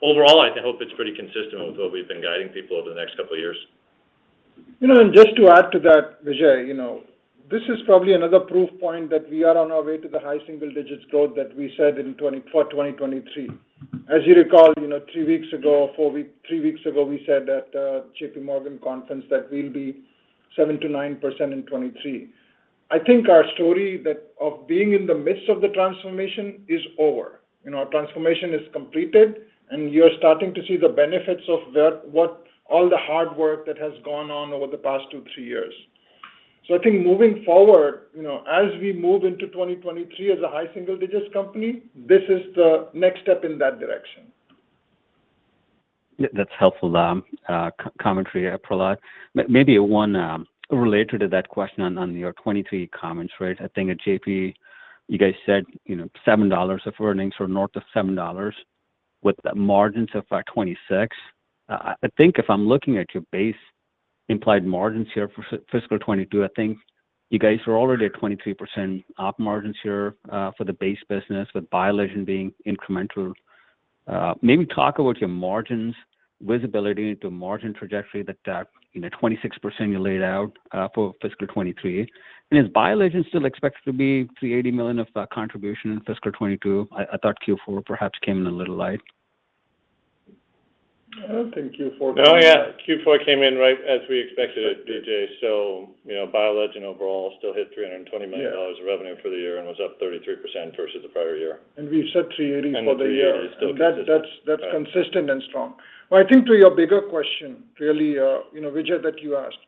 Overall, I hope it's pretty consistent with what we've been guiding people over the next couple of years. You know, just to add to that, Vijay, you know, this is probably another proof point that we are on our way to the high single digits growth that we said for 2023. As you recall, you know, three weeks ago, we said at JPMorgan conference that we'll be 7%-9% in 2023. I think our story of being in the midst of the transformation is over. You know, our transformation is completed, and we are starting to see the benefits of what all the hard work that has gone on over the past two, three years. I think moving forward, you know, as we move into 2023 as a high single digits company, this is the next step in that direction. Yeah, that's helpful commentary, Prahlad. Maybe one related to that question on your 2023 comps rate. I think at JP, you guys said, you know, $7 of earnings or north of $7 with margins of 26%. I think if I'm looking at your base implied margins here for fiscal 2022, I think you guys are already at 23% op margins here for the base business with BioLegend being incremental. Maybe talk about your margins visibility into margin trajectory that, you know, 26% you laid out for fiscal 2023. Is BioLegend still expected to be $380 million of contribution in fiscal 2022? I thought Q4 perhaps came in a little light. I don't think Q4 came in light. No, yeah, Q4 came in right as we expected it, Vijay. You know, BioLegend overall still hit $320 million of revenue for the year and was up 33% versus the prior year. We said $380 for the year. The $380 still consistent. That's consistent and strong. Well, I think to your bigger question really, Vijay, that you asked,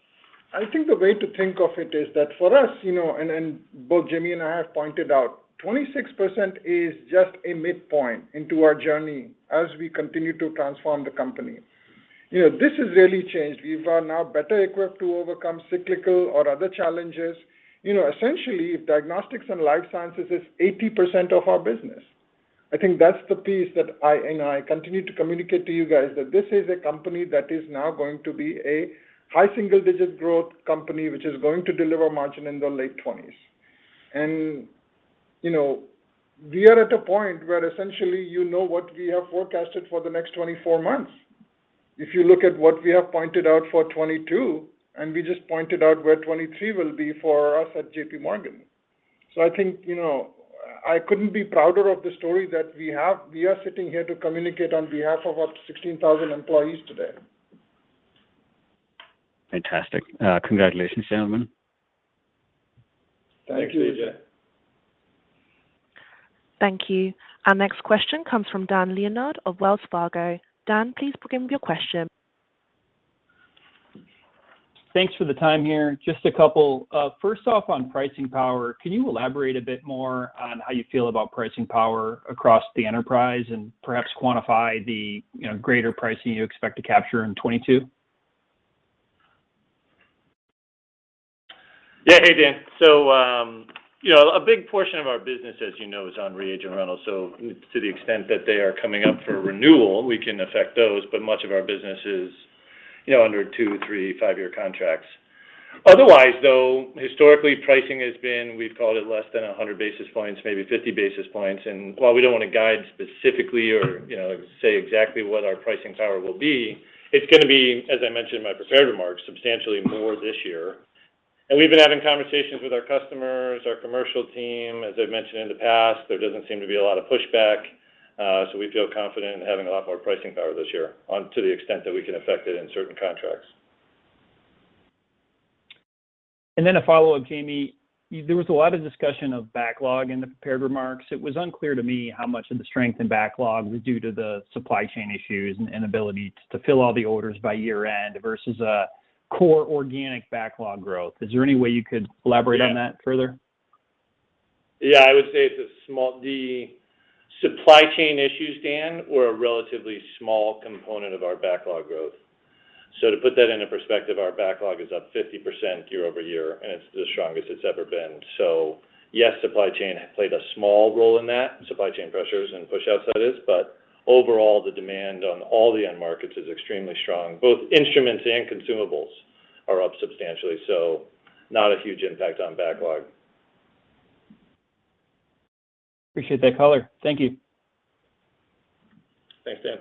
I think the way to think of it is that for us, both Jamey and I have pointed out, 26% is just a midpoint into our journey as we continue to transform the company. This has really changed. We are now better equipped to overcome cyclical or other challenges. Essentially, if diagnostics and life sciences is 80% of our business, I think that's the piece that I continue to communicate to you guys that this is a company that is now going to be a high single-digit growth company, which is going to deliver margin in the late 20s. You know, we are at a point where essentially, you know what we have forecasted for the next 24 months. If you look at what we have pointed out for 2022, and we just pointed out where 2023 will be for us at JPMorgan. I think, you know, I couldn't be prouder of the story that we have. We are sitting here to communicate on behalf of our 16,000 employees today. Fantastic. Congratulations, gentlemen. Thank you, Vijay. Thanks, Vijay. Thank you. Our next question comes from Dan Leonard of Wells Fargo. Dan, please begin with your question. Thanks for the time here. Just a couple. First off, on pricing power, can you elaborate a bit more on how you feel about pricing power across the enterprise and perhaps quantify the, you know, greater pricing you expect to capture in 2022? Yeah. Hey, Dan. You know, a big portion of our business, as you know, is on reagent rentals. To the extent that they are coming up for renewal, we can affect those. Much of our business is, you know, under two, three, five year contracts. Otherwise, though, historically, pricing has been, we've called it less than 100 basis points, maybe 50 basis points. While we don't want to guide specifically or, you know, say exactly what our pricing power will be, it's gonna be, as I mentioned in my prepared remarks, substantially more this year. We've been having conversations with our customers, our commercial team, as I've mentioned in the past. There doesn't seem to be a lot of pushback, so we feel confident in having a lot more pricing power this year and to the extent that we can affect it in certain contracts. A follow-up, Jamey. There was a lot of discussion of backlog in the prepared remarks. It was unclear to me how much of the strength in backlog was due to the supply chain issues and inability to fill all the orders by year-end versus a core organic backlog growth. Is there any way you could elaborate on that further? I would say the supply chain issues, Dan, were a relatively small component of our backlog growth. To put that into perspective, our backlog is up 50% year-over-year, and it's the strongest it's ever been. Yes, supply chain played a small role in that, supply chain pressures and pushouts, but overall, the demand on all the end markets is extremely strong. Both instruments and consumables are up substantially, so not a huge impact on backlog. Appreciate that color. Thank you. Thanks, Dan.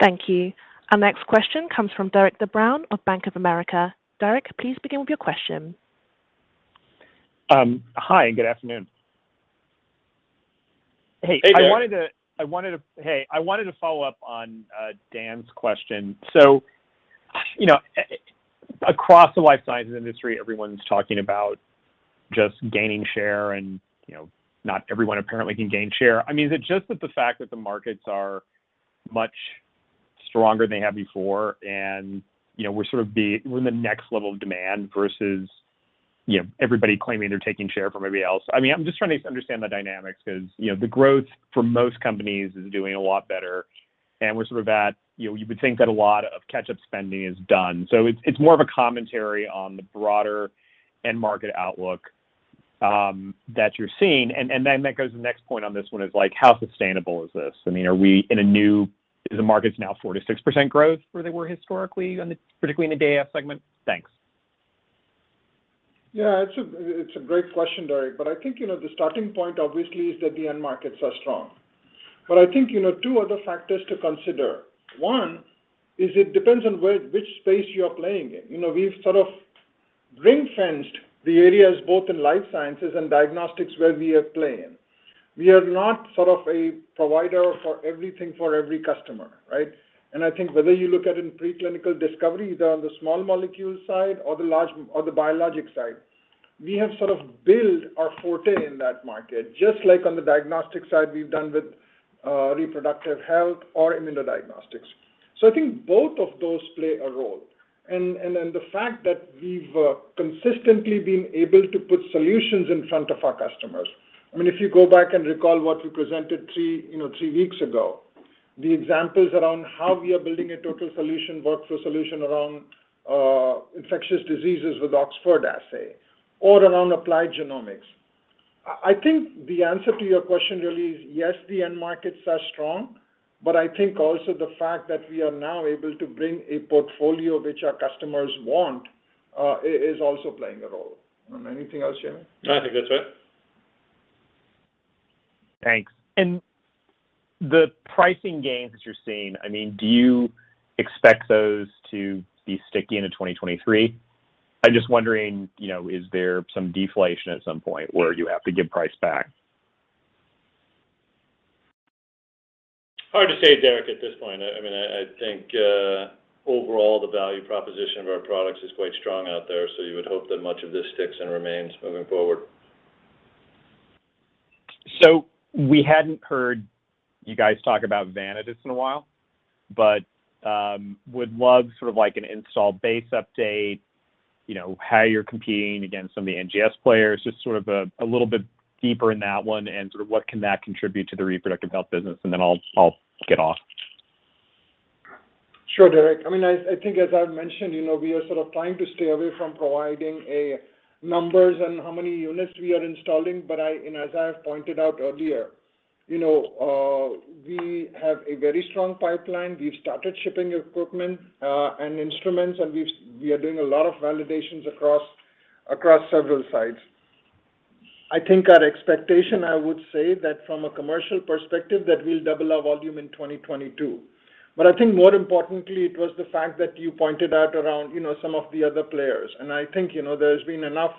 Thank you. Our next question comes from Derik De Bruin of Bank of America. Derek, please begin with your question. Hi, good afternoon. Hey, Derik. I wanted to follow up on Dan's question. You know, across the life sciences industry, everyone's talking about just gaining share and, you know, not everyone apparently can gain share. I mean, is it just that the fact that the markets are much stronger than they have before and, you know, we're in the next level of demand versus, you know, everybody claiming they're taking share from everybody else? I mean, I'm just trying to understand the dynamics 'cause, you know, the growth for most companies is doing a lot better, and we're sort of at, you know, you would think that a lot of catch-up spending is done. It's more of a commentary on the broader end market outlook that you're seeing. That goes to the next point on this one is, like, how sustainable is this? I mean, are we in a new, Is the markets now 4%-6% growth where they were historically on the, particularly in the DF segment? Thanks. Yeah. It's a great question, Derik. I think, you know, the starting point obviously is that the end markets are strong. I think, you know, two other factors to consider. One is it depends on which space you're playing in. You know, we've sort of ring-fenced the areas both in life sciences and diagnostics where we are playing. We are not sort of a provider for everything for every customer, right? And I think whether you look at in preclinical discovery, either on the small molecule side or the biologic side, we have sort of built our forte in that market. Just like on the diagnostic side, we've done with reproductive health or immunodiagnostics. I think both of those play a role. Then the fact that we've consistently been able to put solutions in front of our customers. I mean, if you go back and recall what we presented three weeks ago, the examples around how we are building a total solution, workflow solution around infectious diseases with Oxford assay or around Applied Genomics. I think the answer to your question really is yes, the end markets are strong, but I think also the fact that we are now able to bring a portfolio which our customers want is also playing a role. Anything else, Jamey? No, I think that's it. Thanks. The pricing gains you're seeing, I mean, do you expect those to be sticky into 2023? I'm just wondering, you know, is there some deflation at some point where you have to give price back? Hard to say, Derik, at this point. I mean, I think overall the value proposition of our products is quite strong out there, so you would hope that much of this sticks and remains moving forward. We hadn't heard you guys talk about Vanadis in a while, but would love sort of like an install base update, you know, how you're competing against some of the NGS players. Just sort of a little bit deeper in that one and sort of what can that contribute to the reproductive health business, and then I'll get off. Sure, Derik. I mean, I think as I've mentioned, you know, we are sort of trying to stay away from providing numbers and how many units we are installing. As I have pointed out earlier, you know, we have a very strong pipeline. We've started shipping equipment and instruments, and we are doing a lot of validations across several sites. I think our expectation, I would say, that from a commercial perspective, that we'll double our volume in 2022. I think more importantly it was the fact that you pointed out around, you know, some of the other players. I think, you know, there's been enough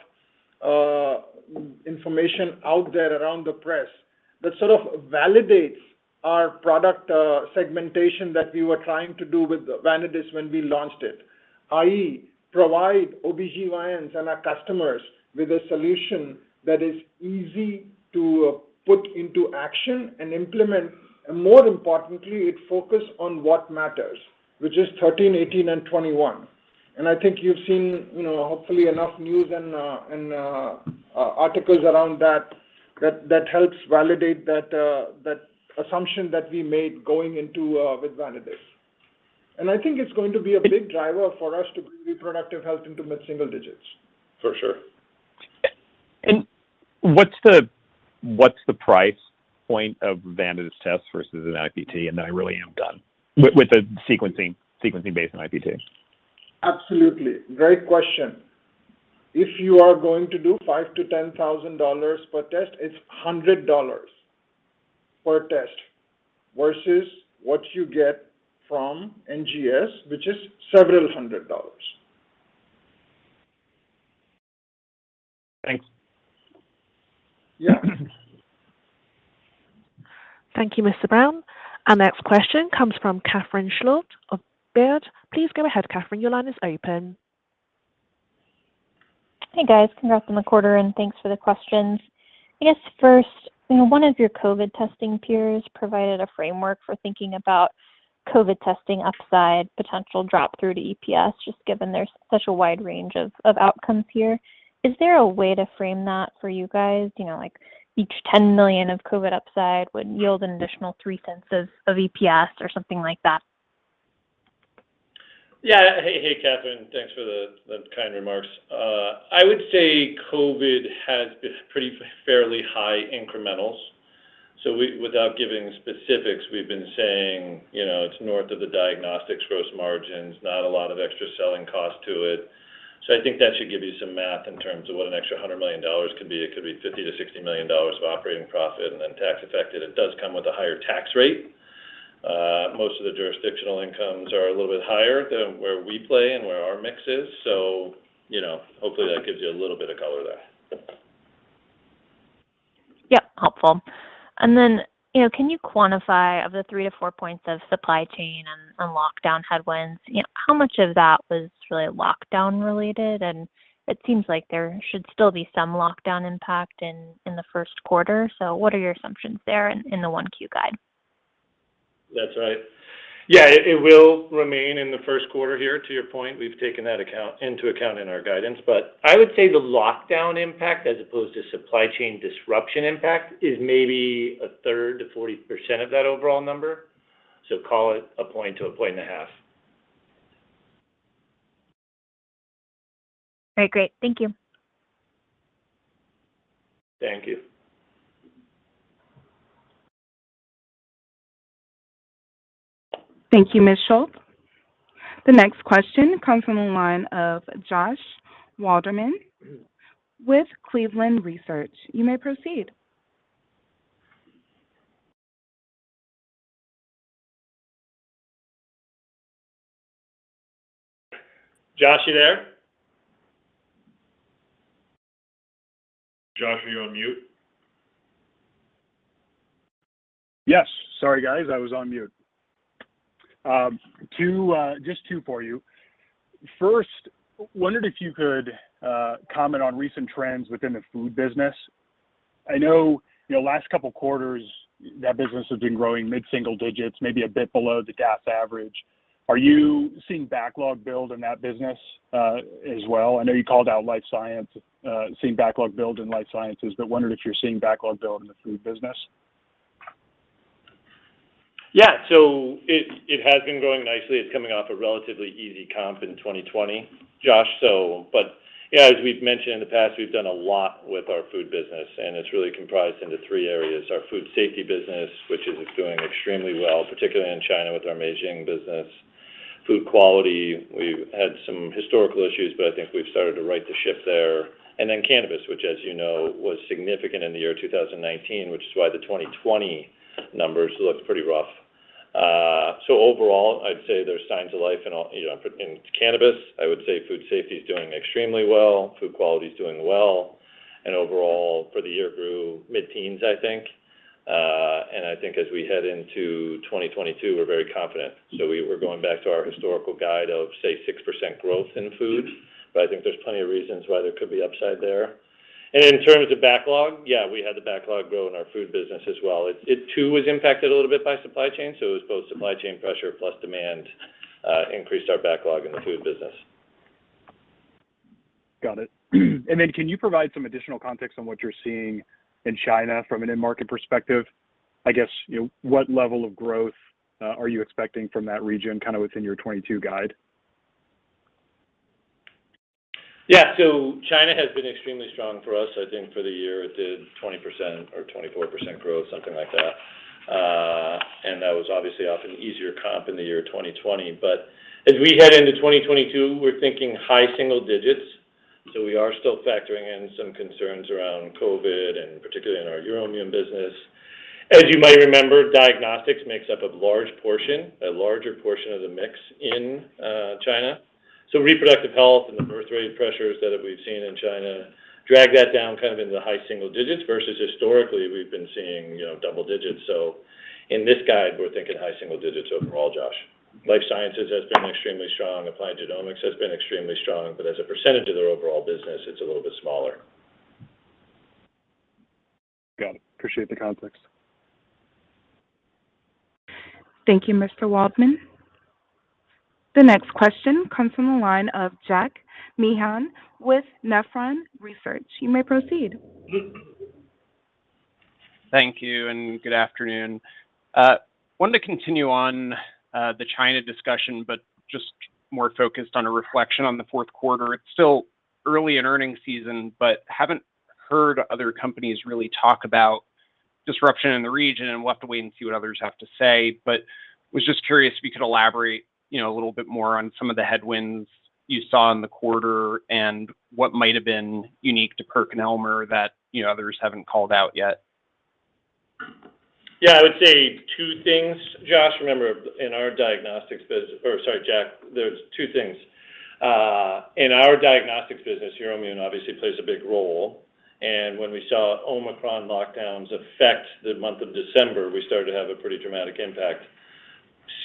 information out there around the press that sort of validates our product segmentation that we were trying to do with Vanadis when we launched it, i.e., provide OB-GYNs and our customers with a solution that is easy to put into action and implement. More importantly, it focus on what matters, which is 13, 18, and 21. I think you've seen, you know, hopefully enough news and articles around that that helps validate that assumption that we made going into with Vanadis. I think it's going to be a big driver for us to bring reproductive health into mid-single digits. For sure. What's the price point of Vanadis tests versus an NIPT, and then I really am done with the sequencing based on NIPT? Absolutely. Great question. If you are going to do $5,000-$10,000 per test, it's $100 per test versus what you get from NGS, which is several hundred dollars. Thanks. Yeah. Thank you, Mr. de Bruin. Our next question comes from Catherine Schulte of Baird. Please go ahead, Catherine. Your line is open. Hey, guys. Congrats on the quarter, and thanks for the questions. I guess first, you know, one of your COVID testing peers provided a framework for thinking about COVID testing upside potential drop through to EPS, just given there's such a wide range of outcomes here. Is there a way to frame that for you guys? You know, like each $10 million of COVID upside would yield an additional $0.03 of EPS or something like that. Yeah. Hey, hey, Catherine. Thanks for the kind remarks. I would say COVID has been pretty fairly high incrementals. Without giving specifics, we've been saying, you know, it's north of the diagnostics gross margins, not a lot of extra selling cost to it. I think that should give you some math in terms of what an extra $100 million could be. It could be $50 million-$60 million of operating profit and then tax affected. It does come with a higher tax rate. Most of the jurisdictional incomes are a little bit higher than where we play and where our mix is. You know, hopefully that gives you a little bit of color there. Yep. Helpful. You know, can you quantify of the 3-4 points of supply chain and lockdown headwinds, you know, how much of that was really lockdown related? It seems like there should still be some lockdown impact in the first quarter. What are your assumptions there in the 1Q guide? That's right. Yeah. It will remain in the first quarter here, to your point. We've taken that into account in our guidance. I would say the lockdown impact as opposed to supply chain disruption impact is maybe a third to 40% of that overall number. Call it a point to a point and a half. All right, great. Thank you. Thank you. Thank you, Ms. Schulte. The next question comes from the line of Josh Waldman with Cleveland Research. You may proceed. Josh, are you there? Josh, are you on mute? Yes. Sorry guys, I was on mute. Just two for you. First, I wondered if you could comment on recent trends within the food business. I know, you know, last couple quarters that business has been growing mid-single digits, maybe a bit below the DAS average. Are you seeing backlog build in that business, as well? I know you called out life science, seeing backlog build in life sciences, but wondered if you're seeing backlog build in the food business. Yeah. It has been growing nicely. It's coming off a relatively easy comp in 2020, Josh. As we've mentioned in the past, we've done a lot with our food business, and it's really comprised into three areas. Our food safety business, which is doing extremely well, particularly in China with our Meizheng business. Food quality, we've had some historical issues, but I think we've started to right the ship there. Cannabis, which as you know, was significant in the year 2019, which is why the 2020 numbers looked pretty rough. Overall, I'd say there's signs of life in all you know in cannabis. Food safety is doing extremely well, food quality is doing well, and overall for the year grew mid-teens, I think. I think as we head into 2022, we're very confident. We're going back to our historical guide of, say, 6% growth in food, but I think there's plenty of reasons why there could be upside there. In terms of backlog, yeah, we had the backlog grow in our food business as well. It too was impacted a little bit by supply chain. It was both supply chain pressure plus demand increased our backlog in the food business. Got it. Can you provide some additional context on what you're seeing in China from an end market perspective? I guess, you know, what level of growth are you expecting from that region, kind of within your 2022 guide? China has been extremely strong for us. I think for the year it did 20% or 24% growth, something like that. That was obviously off an easier comp in the year 2020. As we head into 2022, we're thinking high single digits. We are still factoring in some concerns around COVID and particularly in our Euroimmun business. As you might remember, diagnostics makes up a large portion, a larger portion of the mix in China. Reproductive health and the birth rate pressures that we've seen in China drag that down kind of into the high single digits versus historically we've been seeing, you know, double digits. In this guide, we're thinking high single digits overall, Josh. Life sciences has been extremely strong. Applied Genomics has been extremely strong. As a percentage of their overall business, it's a little bit smaller. Got it. Appreciate the context. Thank you, Mr. Waldman. The next question comes from the line of Jack Meehan with Nephron Research. You may proceed. Thank you and good afternoon. Wanted to continue on the China discussion, but just more focused on a reflection on the fourth quarter. It's still early in earnings season, but haven't heard other companies really talk about disruption in the region and we'll have to wait and see what others have to say. Was just curious if you could elaborate, you know, a little bit more on some of the headwinds you saw in the quarter and what might have been unique to PerkinElmer that, you know, others haven't called out yet. Yeah. I would say two things, Josh. Remember in our diagnostics business or sorry, Jack. There's two things. In our diagnostics business, Euroimmun obviously plays a big role. When we saw Omicron lockdowns affect the month of December, we started to have a pretty dramatic impact.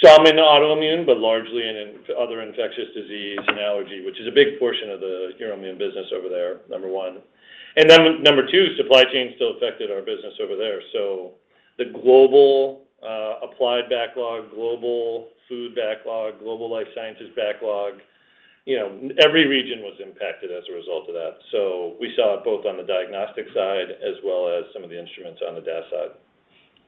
Some in autoimmune, but largely in other infectious disease and allergy, which is a big portion of the Euroimmun business over there, number one. Number two, supply chain still affected our business over there. The global applied backlog, global food backlog, global life sciences backlog, you know, every region was impacted as a result of that. We saw it both on the diagnostic side as well as some of the instruments on the DASS side.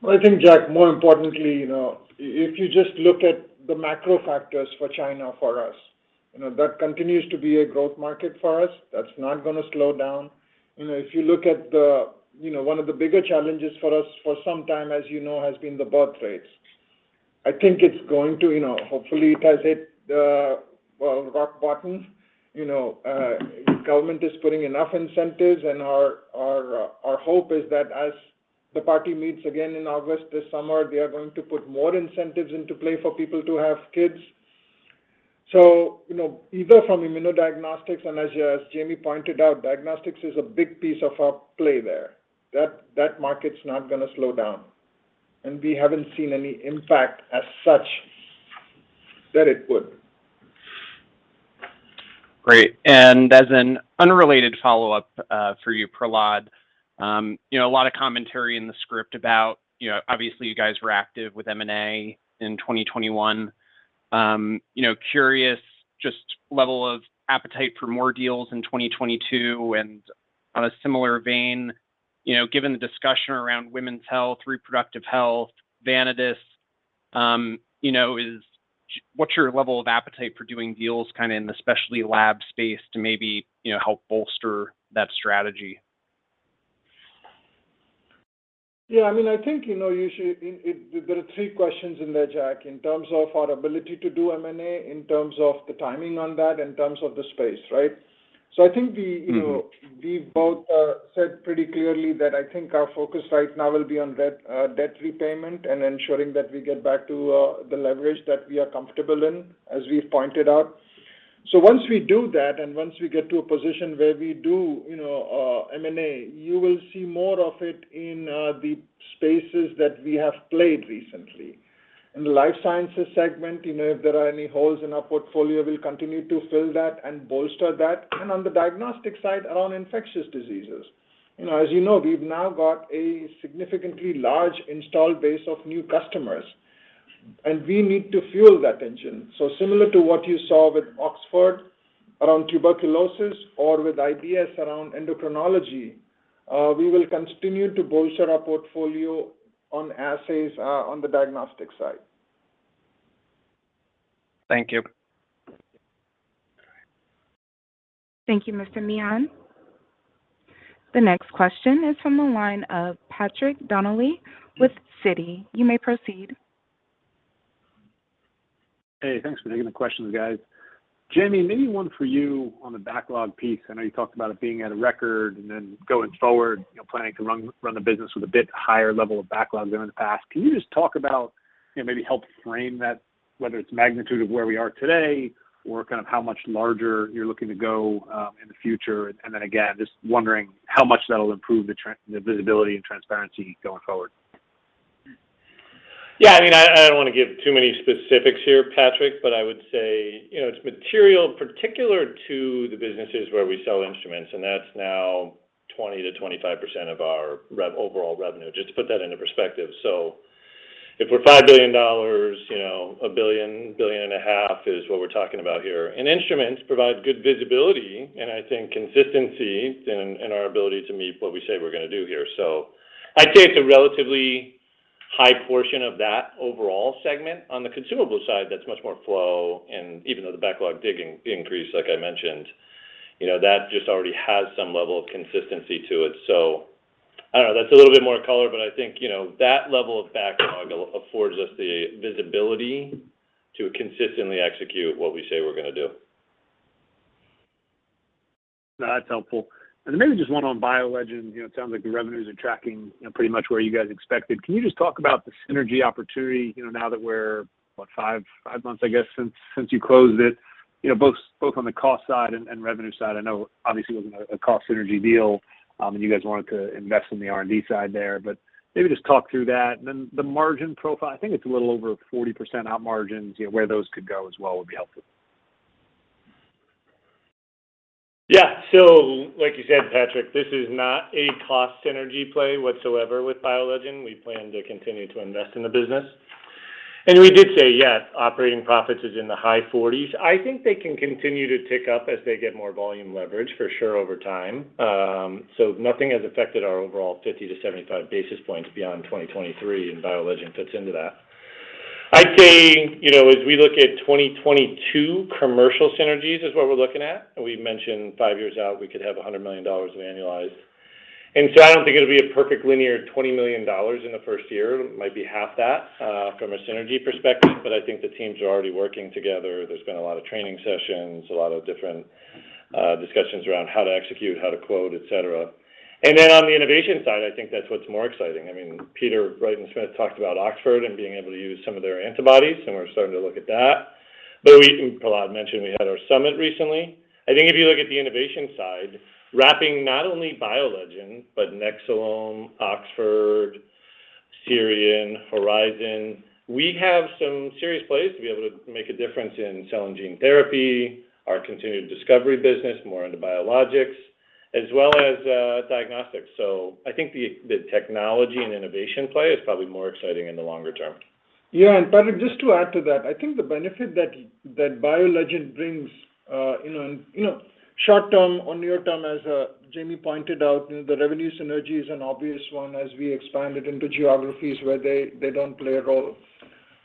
Well, I think Jack, more importantly, you know, if you just look at the macro factors for China, for us, you know, that continues to be a growth market for us. That's not gonna slow down. You know, if you look at the you know, one of the bigger challenges for us for some time, as you know, has been the birthrates. I think it's going to, you know, hopefully it has hit the rock bottom. You know, government is putting enough incentives, and our hope is that as the party meets again in August this summer, they are going to put more incentives into play for people to have kids. You know, either from immuno diagnostics and as Jamey pointed out, diagnostics is a big piece of our play there. That market's not going to slow down, and we haven't seen any impact as such that it would. Great. As an unrelated follow-up, for you, Prahlad, you know, a lot of commentary in the script about, you know, obviously you guys were active with M&A in 2021. You know, curious just level of appetite for more deals in 2022 and on a similar vein, you know, given the discussion around women's health, reproductive health, Vanadis, you know, what's your level of appetite for doing deals kind of in the specialty lab space to maybe, you know, help bolster that strategy? Yeah, I mean, I think, you know, there are three questions in there, Jack, in terms of our ability to do M&A, in terms of the timing on that, in terms of the space, right? So I think we- Mm-hmm. You know, we both said pretty clearly that I think our focus right now will be on debt repayment and ensuring that we get back to the leverage that we are comfortable in, as we pointed out. Once we do that, and once we get to a position where we do, you know, M&A, you will see more of it in the spaces that we have played recently. In the Life Sciences segment, you know, if there are any holes in our portfolio, we'll continue to fill that and bolster that, and on the diagnostics side, around infectious diseases. You know, as you know, we've now got a significantly large installed base of new customers, and we need to fuel that engine. Similar to what you saw with Oxford around tuberculosis or with IDS around endocrinology, we will continue to bolster our portfolio on assays, on the diagnostic side. Thank you. Thank you, Mr. Meehan. The next question is from the line of Patrick Donnelly with Citi. You may proceed. Hey, thanks for taking the questions, guys. Jamey, maybe one for you on the backlog piece. I know you talked about it being at a record and then going forward, you know, planning to run the business with a bit higher level of backlog than in the past. Can you just talk about, you know, maybe help frame that, whether it's magnitude of where we are today or kind of how much larger you're looking to go in the future? Then again, just wondering how much that'll improve the visibility and transparency going forward. Yeah, I mean, I don't want to give too many specifics here, Patrick, but I would say, you know, it's material particular to the businesses where we sell instruments, and that's now 20%-25% of our overall revenue, just to put that into perspective. So if we're $5 billion, you know, $1 billion-$1.5 billion is what we're talking about here. Instruments provide good visibility and I think consistency in our ability to meet what we say we're going to do here. So I'd say it's a relatively high portion of that overall segment. On the consumable side, that's much more flow, and even though the backlog did increase, like I mentioned, you know, that just already has some level of consistency to it. I don't know, that's a little bit more color, but I think, you know, that level of backlog affords us the visibility to consistently execute what we say we're going to do. That's helpful. Maybe just one on BioLegend. You know, it sounds like the revenues are tracking, you know, pretty much where you guys expected. Can you just talk about the synergy opportunity, you know, now that we're, what, five months, I guess, since you closed it? You know, both on the cost side and revenue side. I know obviously it wasn't a cost synergy deal, and you guys wanted to invest in the R&D side there, but maybe just talk through that. Then the margin profile, I think it's a little over 40% op margins, you know, where those could go as well would be helpful. Yeah. Like you said, Patrick, this is not a cost synergy play whatsoever with BioLegend. We plan to continue to invest in the business. We did say, yes, operating profits is in the high 40s. I think they can continue to tick up as they get more volume leverage, for sure, over time. Nothing has affected our overall 50-75 basis points beyond 2023, and BioLegend fits into that. I'd say, you know, as we look at 2022 commercial synergies is what we're looking at. We mentioned five years out, we could have $100 million annualized. I don't think it'll be a perfect linear $20 million in the first year. It might be half that, from a synergy perspective, but I think the teams are already working together. There's been a lot of training sessions, a lot of different discussions around how to execute, how to quote, et cetera. On the innovation side, I think that's what's more exciting. I mean, Peter Wrighton-Smith talked about Oxford and being able to use some of their antibodies, and we're starting to look at that. Prahlad mentioned we had our summit recently. I think if you look at the innovation side, wrapping not only BioLegend, but Nexcelom, Oxford, SIRION, Horizon, we have some serious plays to be able to make a difference in cell and gene therapy, our continued discovery business, more into biologics, as well as diagnostics. I think the technology and innovation play is probably more exciting in the longer term. Yeah. Patrick, just to add to that, I think the benefit that BioLegend brings, you know, and, you know, short term, near term, as Jamey pointed out, you know, the revenue synergy is an obvious one as we expand it into geographies where they don't play a role.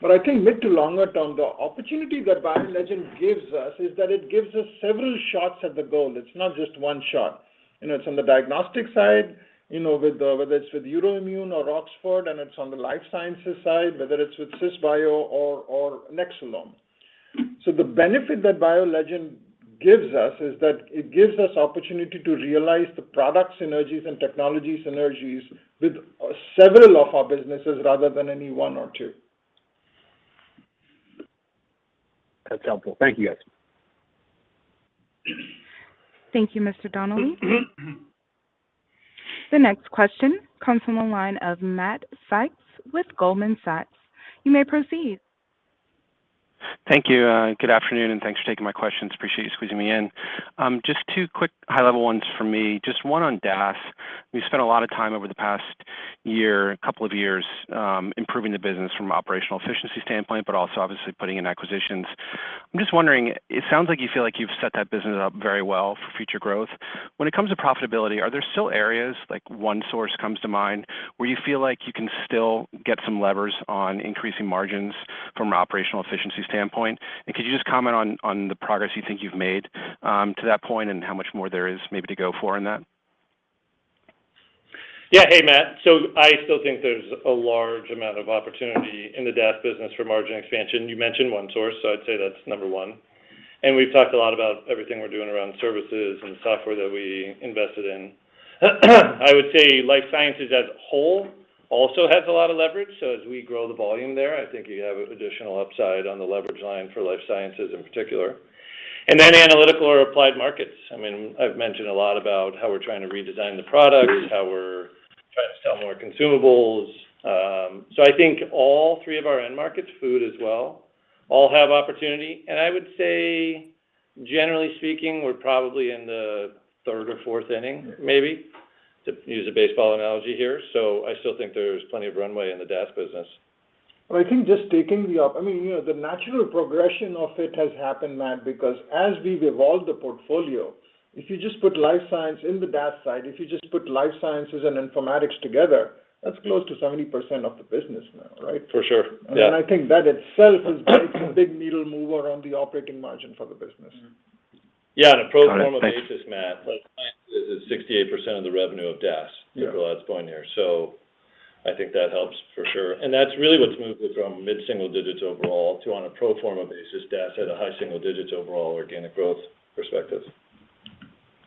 But I think mid to longer term, the opportunity that BioLegend gives us is that it gives us several shots at the goal. It's not just one shot. You know, it's on the diagnostic side, you know, with whether it's with Euroimmun or Oxford, and it's on the life sciences side, whether it's with Cisbio or Nexcelom. The benefit that BioLegend gives us is that it gives us opportunity to realize the product synergies and technology synergies with several of our businesses rather than any one or two. That's helpful. Thank you, guys. Thank you, Mr. Donnelly. The next question comes from the line of Matt Sykes with Goldman Sachs. You may proceed. Thank you. Good afternoon, and thanks for taking my questions. Appreciate you squeezing me in. Just two quick high-level ones from me, just one on DAS. You spent a lot of time over the past year, couple of years, improving the business from operational efficiency standpoint, but also obviously putting in acquisitions. I'm just wondering, it sounds like you feel like you've set that business up very well for future growth. When it comes to profitability, are there still areas, like OneSource comes to mind, where you feel like you can still get some levers on increasing margins from an operational efficiency standpoint? And could you just comment on the progress you think you've made to that point and how much more there is maybe to go for in that? Yeah. Hey, Matt. I still think there's a large amount of opportunity in the DAS business for margin expansion. You mentioned OneSource, so I'd say that's number one. We've talked a lot about everything we're doing around services and software that we invested in. I would say Life Sciences as a whole also has a lot of leverage. As we grow the volume there, I think you have additional upside on the leverage line for Life Sciences in particular, analytical or applied markets. I mean, I've mentioned a lot about how we're trying to redesign the products, how we're trying to sell more consumables. I think all three of our end markets, Food as well, all have opportunity. I would say, generally speaking, we're probably in the third or fourth inning, maybe, to use a baseball analogy here. I still think there's plenty of runway in the DAS business. Well, I think, I mean, you know, the natural progression of it has happened, Matt, because as we've evolved the portfolio, if you just put life science in the DAS side, if you just put life sciences and informatics together, that's close to 70% of the business now, right? For sure. Yeah. I think that itself is quite a big needle mover on the operating margin for the business. Yeah. A pro forma. Got it. Thanks basis, Matt, life science is 68% of the revenue of DAS. Yeah To Prahlad's point here. I think that helps for sure. That's really what's moved it from mid-single digits overall to, on a pro forma basis, DAS had a high single digits overall organic growth perspective.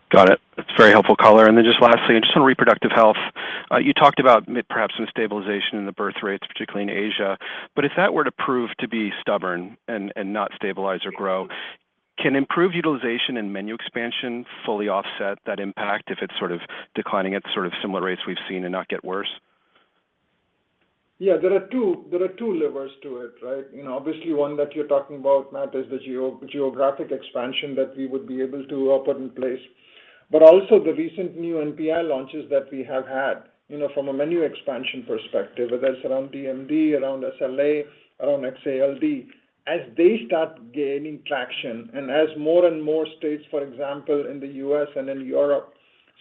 Got it. That's very helpful color. Then just lastly, just on reproductive health, you talked about perhaps some stabilization in the birth rates, particularly in Asia. If that were to prove to be stubborn and not stabilize or grow, can improved utilization and menu expansion fully offset that impact if it's sort of declining at sort of similar rates we've seen and not get worse? Yeah, there are two levers to it, right? You know, obviously one that you're talking about, Matt, is the geographic expansion that we would be able to put in place. Also the recent new NPI launches that we have had, you know, from a menu expansion perspective, whether it's around DMD, around SMA, around X-ALD, as they start gaining traction and as more and more states, for example, in the U.S. and in Europe,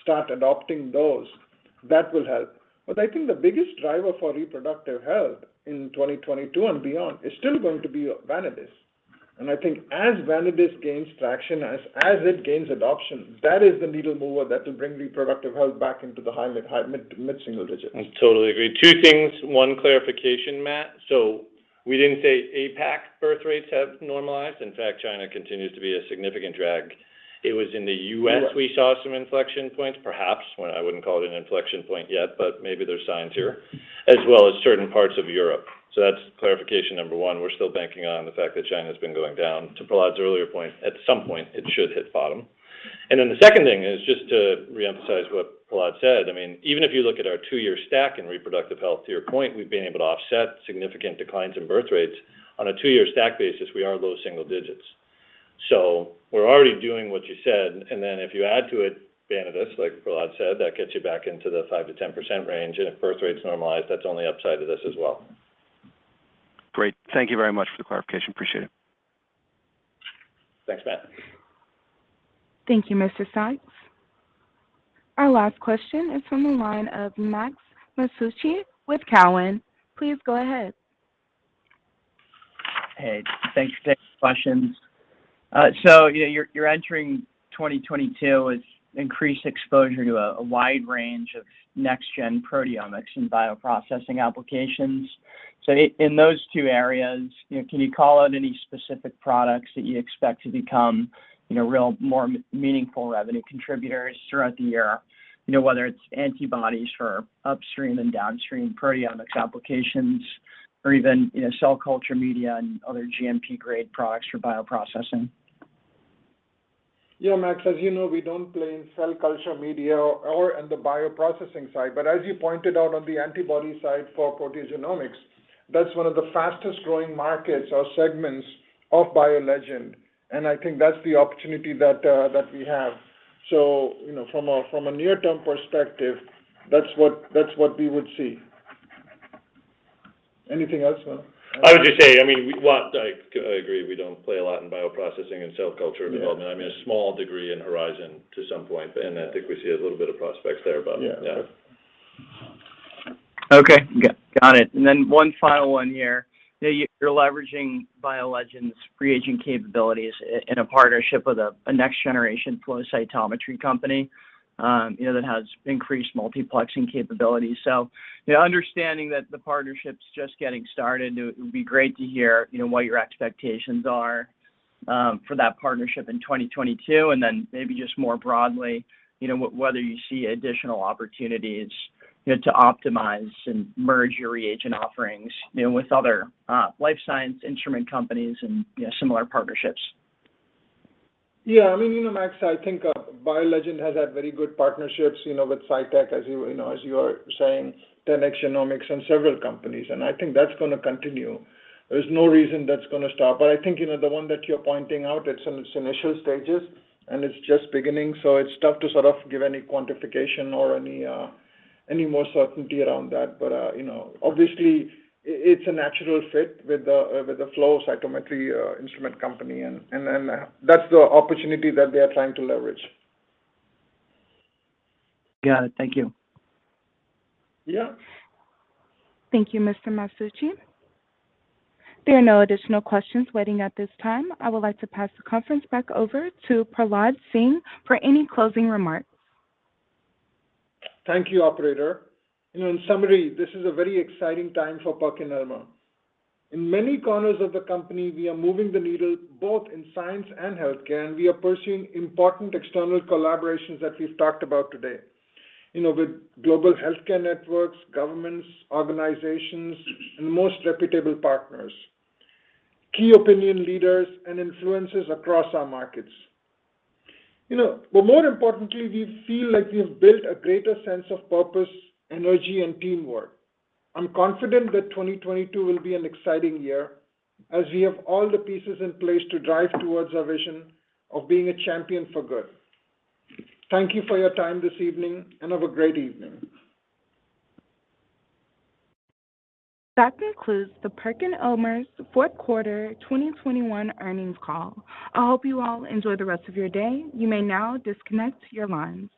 start adopting those, that will help. I think the biggest driver for reproductive health in 2022 and beyond is still going to be Vanadis. I think as Vanadis gains traction, as it gains adoption, that is the needle mover that will bring reproductive health back into the high mid-single digits. I totally agree. Two things. One clarification, Matt. We didn't say APAC birth rates have normalized. In fact, China continues to be a significant drag. It was in the U.S. we saw some inflection points, perhaps, when I wouldn't call it an inflection point yet, but maybe there's signs here, as well as certain parts of Europe. That's clarification number one. We're still banking on the fact that China's been going down. To Prahlad's earlier point, at some point, it should hit bottom. The second thing is just to reemphasize what Prahlad said. I mean, even if you look at our two-year stack in reproductive health, to your point, we've been able to offset significant declines in birth rates. On a two-year stack basis, we are low single digits. We're already doing what you said. Then if you add to it Vanadis, like Prahlad said, that gets you back into the 5%-10% range. If birth rates normalize, that's only upside to this as well. Great. Thank you very much for the clarification. Appreciate it. Thanks, Matt. Thank you, Mr. Sykes. Our last question is from the line of Max Masucci with Cowen. Please go ahead. Hey, thanks. Thanks for taking my questions. You know, you're entering 2022 with increased exposure to a wide range of next-gen proteomics and bioprocessing applications. In those two areas, you know, can you call out any specific products that you expect to become, you know, really more meaningful revenue contributors throughout the year? You know, whether it's antibodies for upstream and downstream proteomics applications or even, you know, cell culture media and other GMP-grade products for bioprocessing. Yeah, Max, as you know, we don't play in cell culture media or in the bioprocessing side. As you pointed out on the antibody side for proteogenomics, that's one of the fastest growing markets or segments of BioLegend, and I think that's the opportunity that we have. You know, from a near-term perspective, that's what we would see. Anything else, Mock? I would just say, I mean, I agree, we don't play a lot in bioprocessing and cell culture development. Yeah. I mean, a small degree in Horizon to some point, and I think we see a little bit of prospects there, but Yeah. Yeah. Okay. Got it. One final one here. You know, you're leveraging BioLegend's free agent capabilities in a partnership with a next generation flow cytometry company, you know, that has increased multiplexing capabilities. You know, understanding that the partnership's just getting started, it would be great to hear, you know, what your expectations are for that partnership in 2022, and then maybe just more broadly, you know, whether you see additional opportunities, you know, to optimize and merge your reagent offerings, you know, with other life science instrument companies and, you know, similar partnerships. Yeah. I mean, you know, Max, I think BioLegend has had very good partnerships, you know, with Cytek, as you know, as you are saying, 10x Genomics, and several companies. I think that's gonna continue. There's no reason that's gonna stop. I think, you know, the one that you're pointing out, it's in its initial stages, and it's just beginning, so it's tough to sort of give any quantification or any more certainty around that. You know, obviously it's a natural fit with the flow cytometry instrument company and that's the opportunity that they are trying to leverage. Got it. Thank you. Yeah. Thank you, Mr. Masucci. There are no additional questions waiting at this time. I would like to pass the conference back over to Prahlad Singh for any closing remarks. Thank you, operator. You know, in summary, this is a very exciting time for PerkinElmer. In many corners of the company, we are moving the needle, both in science and healthcare, and we are pursuing important external collaborations that we've talked about today, you know, with global healthcare networks, governments, organizations, and the most reputable partners, key opinion leaders and influencers across our markets. You know, but more importantly, we feel like we have built a greater sense of purpose, energy and teamwork. I'm confident that 2022 will be an exciting year as we have all the pieces in place to drive towards our vision of being a champion for good. Thank you for your time this evening, and have a great evening. That concludes the PerkinElmer's fourth quarter 2021 earnings call. I hope you all enjoy the rest of your day. You may now disconnect your lines.